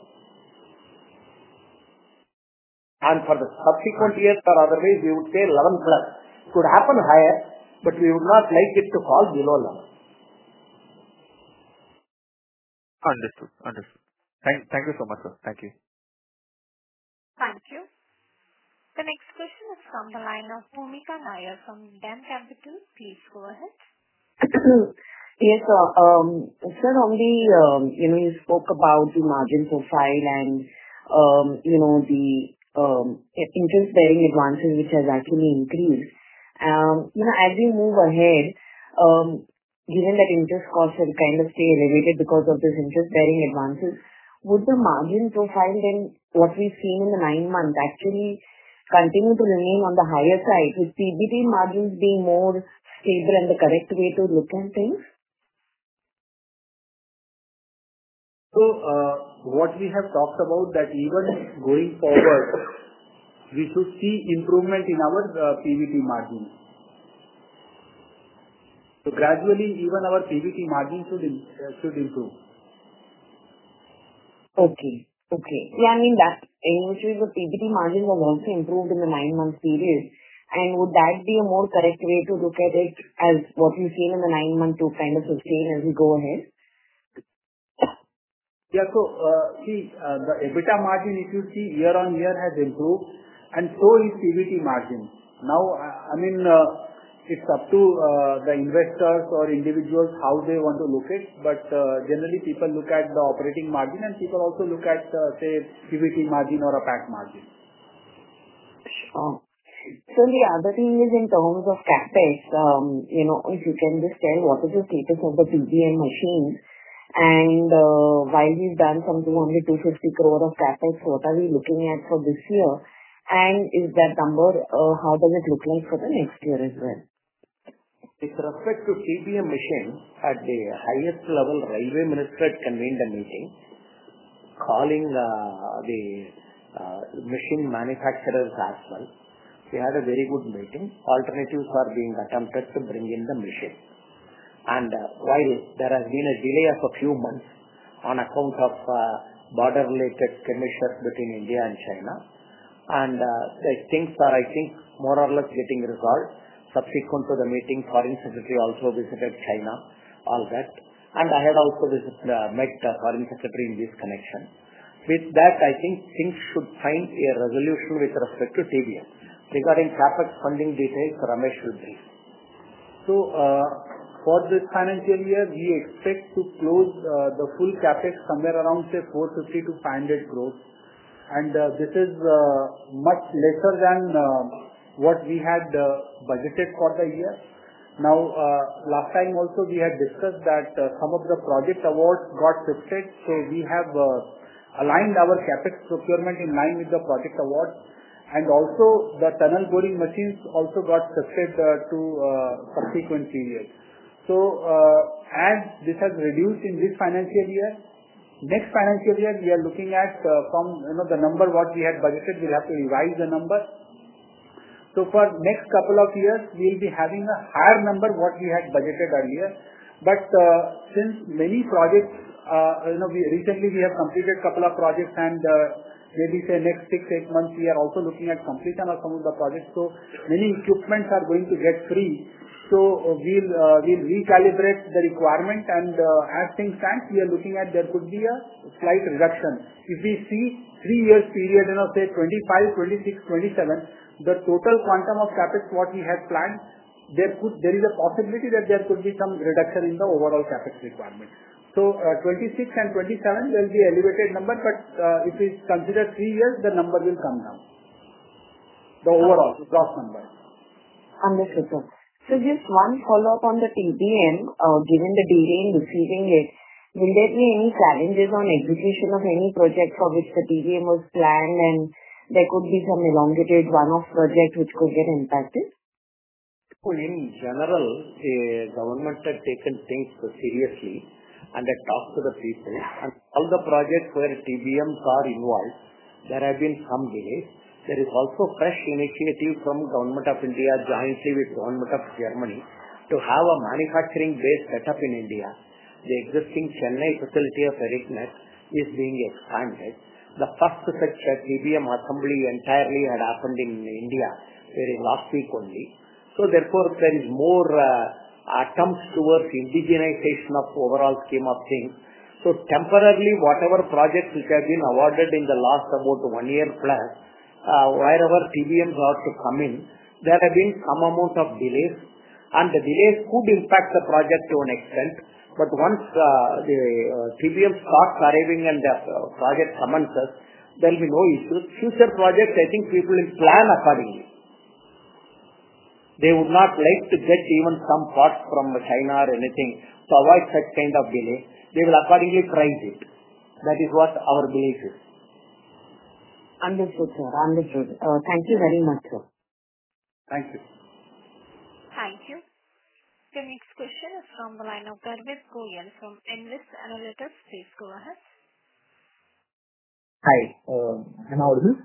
and for the subsequent years, or otherwise, we would say 11 plus. It could happen higher, but we would not like it to fall below 11. Understood. Understood. Thank you so much, sir. Thank you. Thank you. The next question is from the line of Bhumika Nair from DAM Capital. Please go ahead. Yes, sir. Sir, on the you spoke about the margin profile and the interest-bearing advances, which has actually increased. As we move ahead, given that interest costs have kind of stayed elevated because of these interest-bearing advances, would the margin profile then, what we've seen in the nine months, actually continue to remain on the higher side, with PBT margins being more stable and the correct way to look at things? So what we have talked about that even going forward, we should see improvement in our PBT margins. So gradually, even our PBT margins should improve. Okay. Yeah, I mean, that's the thing. The PBT margins have also improved in the nine-month period. And would that be a more correct way to look at it as what we've seen in the nine months to kind of sustain as we go ahead? Yeah. So see, the EBITDA margin, if you see, year on year has improved. And so is PBT margins. Now, I mean, it's up to the investors or individuals how they want to look at it. But generally, people look at the operating margin, and people also look at, say, PBT margin or a PAT margin. Sure. So the other thing is in terms of CapEx, if you can just tell what is the status of the TBM machine. And while we've done some 200-250 crore of CapEx, what are we looking at for this year? And is that number, how does it look like for the next year as well? With respect to TBM machine, at the highest level, Railway Ministry had convened a meeting, calling the machine manufacturers as well. We had a very good meeting. Alternatives are being attempted to bring in the machine. While there has been a delay of a few months on account of border-related tensions between India and China, and the things are, I think, more or less getting resolved. Subsequent to the meeting, Foreign Secretary also visited China, all that. I had also met Foreign Secretary in this connection. With that, I think things should find a resolution with respect to TBM. Regarding CapEx funding details, Ramesh should brief. For this financial year, we expect to close the full CapEx somewhere around, say, 450-500 crores. This is much lesser than what we had budgeted for the year. Now, last time also, we had discussed that some of the project awards got shifted, so we have aligned our CapEx procurement in line with the project awards, and also, the tunnel boring machines also got shifted to subsequent periods, so as this has reduced in this financial year, next financial year, we are looking at from the number what we had budgeted, we'll have to revise the number, so for next couple of years, we'll be having a higher number what we had budgeted earlier, but since many projects recently, we have completed a couple of projects, and maybe say next six, eight months, we are also looking at completion of some of the projects, so many equipment are going to get free, so we'll recalibrate the requirement, and as things stand, we are looking at there could be a slight reduction. If we see three-year period, say 2025, 2026, 2027, the total quantum of CapEx what we had planned, there is a possibility that there could be some reduction in the overall CapEx requirement. So 2026 and 2027 will be elevated number, but if we consider three years, the number will come down, the overall gross number. Understood, sir. So just one follow-up on the TBM. Given the delay in receiving it, will there be any challenges on execution of any project for which the TBM was planned, and there could be some elongated run-off project which could get impacted? In general, the government had taken things seriously and had talked to the people. All the projects where TBMs are involved have had some delays. There is also a fresh initiative from the Government of India, jointly with the Government of Germany, to have a manufacturing base set up in India. The existing Chennai facility of Herrenknecht is being expanded. The first such TBM assembly entirely had happened in India very last week only. Therefore, there are more attempts towards indigenization of the overall scheme of things. Temporarily, whatever projects which have been awarded in the last about one year plus, wherever TBMs are to come in, there have been some amount of delays. The delays could impact the project to an extent. But once the TBMs start arriving and the project commences, there will be no issues. Future projects, I think people will plan accordingly. They would not like to get even some parts from China or anything to avoid such kind of delay. They will accordingly price it. That is what our belief is. Understood, sir. Understood. Thank you very much, sir. Thank you. Thank you. The next question is from the line of Garvit Goyal from Nvest Analytics. Please go ahead. Hi. Am I audible?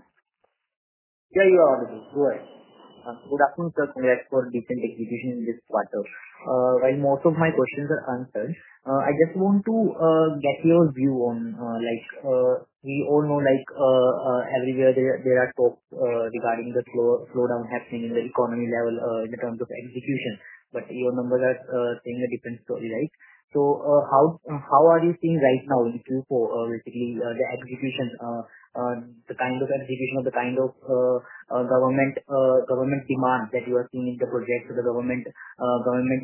Yeah, you're audible. Go ahead. Good afternoon, sir. Congrats for decent execution in this quarter. While most of my questions are answered, I just want to get your view on we all know everywhere there are talks regarding the slowdown happening in the economy level in terms of execution. But your numbers are saying a different story, right? So how are you seeing right now in Q4, basically, the execution, the kind of execution of the kind of government demand that you are seeing in the projects of the government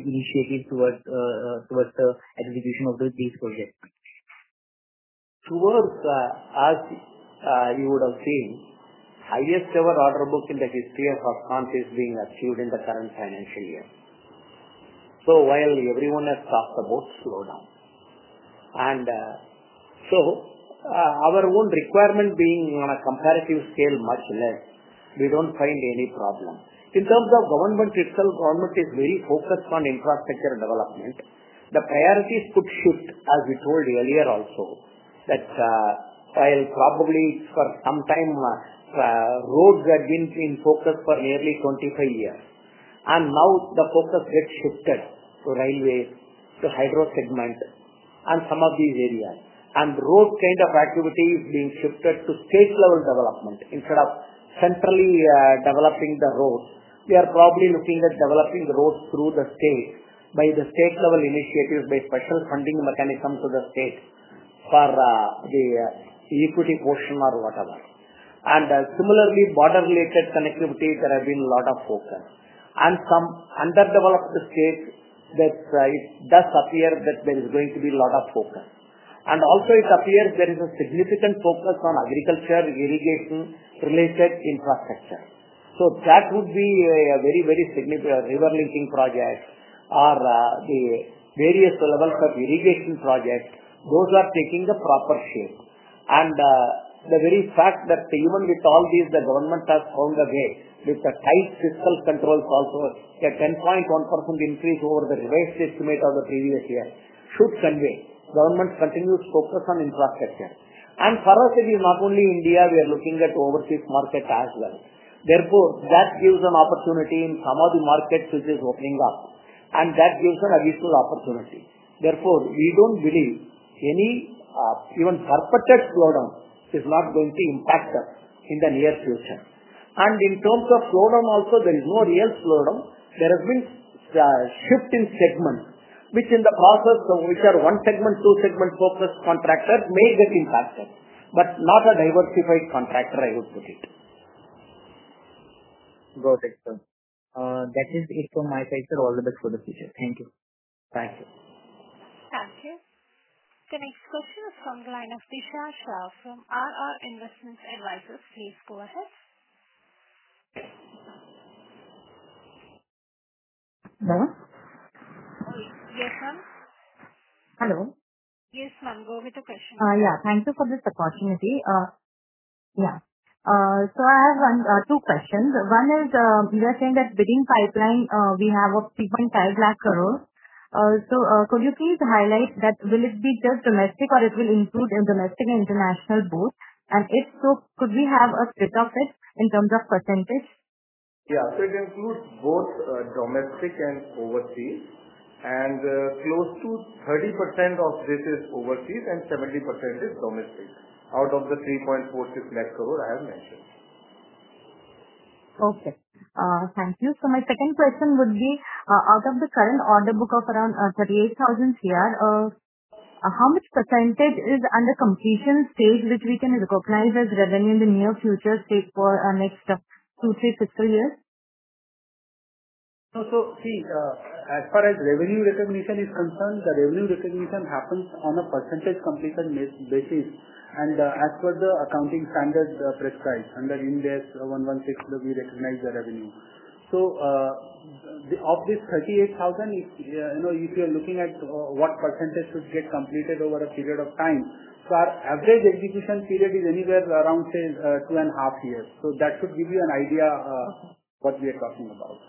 initiatives towards the execution of these projects? Towards, as you would have seen, highest-ever order book in the history of Afcons is being achieved in the current financial year. So while everyone has talked about slowdown. And so our own requirement being on a comparative scale, much less, we don't find any problem. In terms of government itself, government is very focused on infrastructure development. The priorities could shift, as we told earlier also, that while probably for some time, roads had been in focus for nearly 25 years, and now the focus gets shifted to railways, to hydro segment, and some of these areas, and road kind of activity is being shifted to state-level development. Instead of centrally developing the roads, we are probably looking at developing the roads through the state by the state-level initiatives, by special funding mechanisms to the state for the equity portion or whatever, and similarly, border-related connectivity, there have been a lot of focus, and some underdeveloped states, it does appear that there is going to be a lot of focus, and also, it appears there is a significant focus on agriculture, irrigation-related infrastructure. So that would be a very, very significant river linking project or the various levels of irrigation projects. Those are taking a proper shape. And the very fact that even with all these, the government has found a way with the tight fiscal controls also, a 10.1% increase over the revised estimate of the previous year should convey government's continuous focus on infrastructure. And for us, it is not only India. We are looking at overseas market as well. Therefore, that gives an opportunity in some of the markets which is opening up. And that gives an additional opportunity. Therefore, we don't believe any even perpetual slowdown is not going to impact us in the near future. And in terms of slowdown also, there is no real slowdown. There has been a shift in segments, which in the process, which are one segment, two segment focused contractors may get impacted, but not a diversified contractor, I would put it. Got it, sir. That is it from my side, sir. All the best for the future. Thank you. Thank you. Thank you. The next question is from the line of Disha Shah from RR Investments Advisors. Please go ahead. Hello? Yes, ma'am? Hello? Yes, ma'am. Go with the question. Yeah. Thank you for this opportunity. Yeah. So I have two questions. One is you are saying that bidding pipeline we have of 3.5 lakh crores. So could you please highlight that: will it be just domestic or it will include domestic and international both? And if so, could we have a split of it in terms of percentage? Yeah. It includes both domestic and overseas. Close to 30% of this is overseas and 70% is domestic out of the 3.46 lakh crore I have mentioned. Okay. Thank you. So my second question would be, out of the current order book of around 38,000 CR, how much % is under completion stage which we can recognize as revenue in the near future, say, for next two, three, fiscal years? So see, as far as revenue recognition is concerned, the revenue recognition happens on a percentage completion basis. And as per the accounting standard prescribed, under Ind AS 116, we recognize the revenue. So of this 38,000, if you're looking at what percentage should get completed over a period of time, so our average execution period is anywhere around, say, two and a half years. So that should give you an idea of what we are talking about.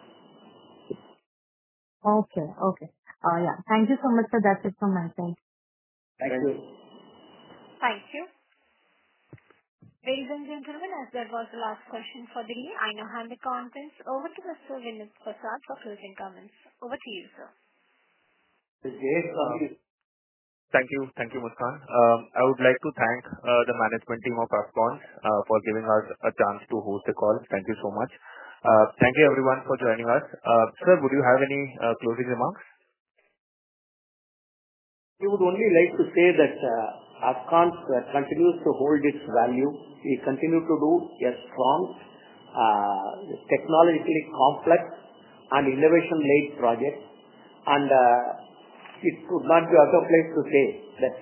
Okay. Yeah. Thank you so much, sir. That's it from my side. Thank you. Thank you. Very well, gentlemen. That was the last question for the day. I now hand the contents over to Mr. Vinesh Prasad for closing comments. Over to you, sir. Yes, sir. Thank you. Thank you, Muskan. I would like to thank the management team of Afcons for giving us a chance to host the call. Thank you so much. Thank you, everyone, for joining us. Sir, would you have any closing remarks? We would only like to say that Afcons continues to hold its value. We continue to do a strong, technologically complex, and innovation-led project. And it would not be out of place to say that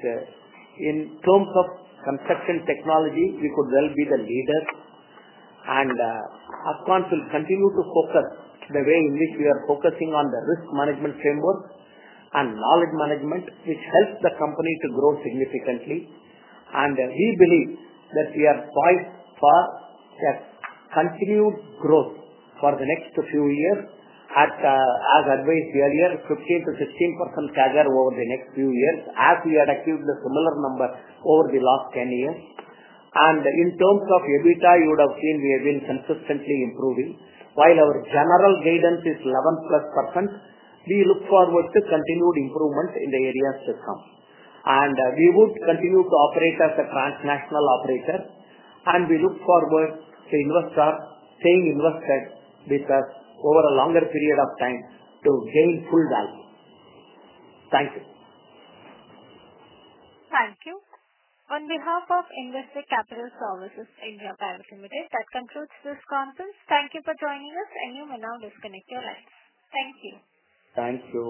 in terms of construction technology, we could well be the leaders. And Afcons will continue to focus the way in which we are focusing on the risk management framework and knowledge management, which helps the company to grow significantly. And we believe that we are by far the continued growth for the next few years, as advised earlier, 15%-16% CAGR over the next few years, as we had achieved a similar number over the last 10 years. And in terms of EBITDA, you would have seen we have been consistently improving. While our general guidance is 11% plus, we look forward to continued improvement in the areas to come. And we would continue to operate as a transnational operator. And we look forward to investors staying invested with us over a longer period of time to gain full value. Thank you. Thank you. On behalf of Investec Capital Services (India) Private Limited, that concludes this conference. Thank you for joining us, and you may now disconnect your lines. Thank you. Thank you.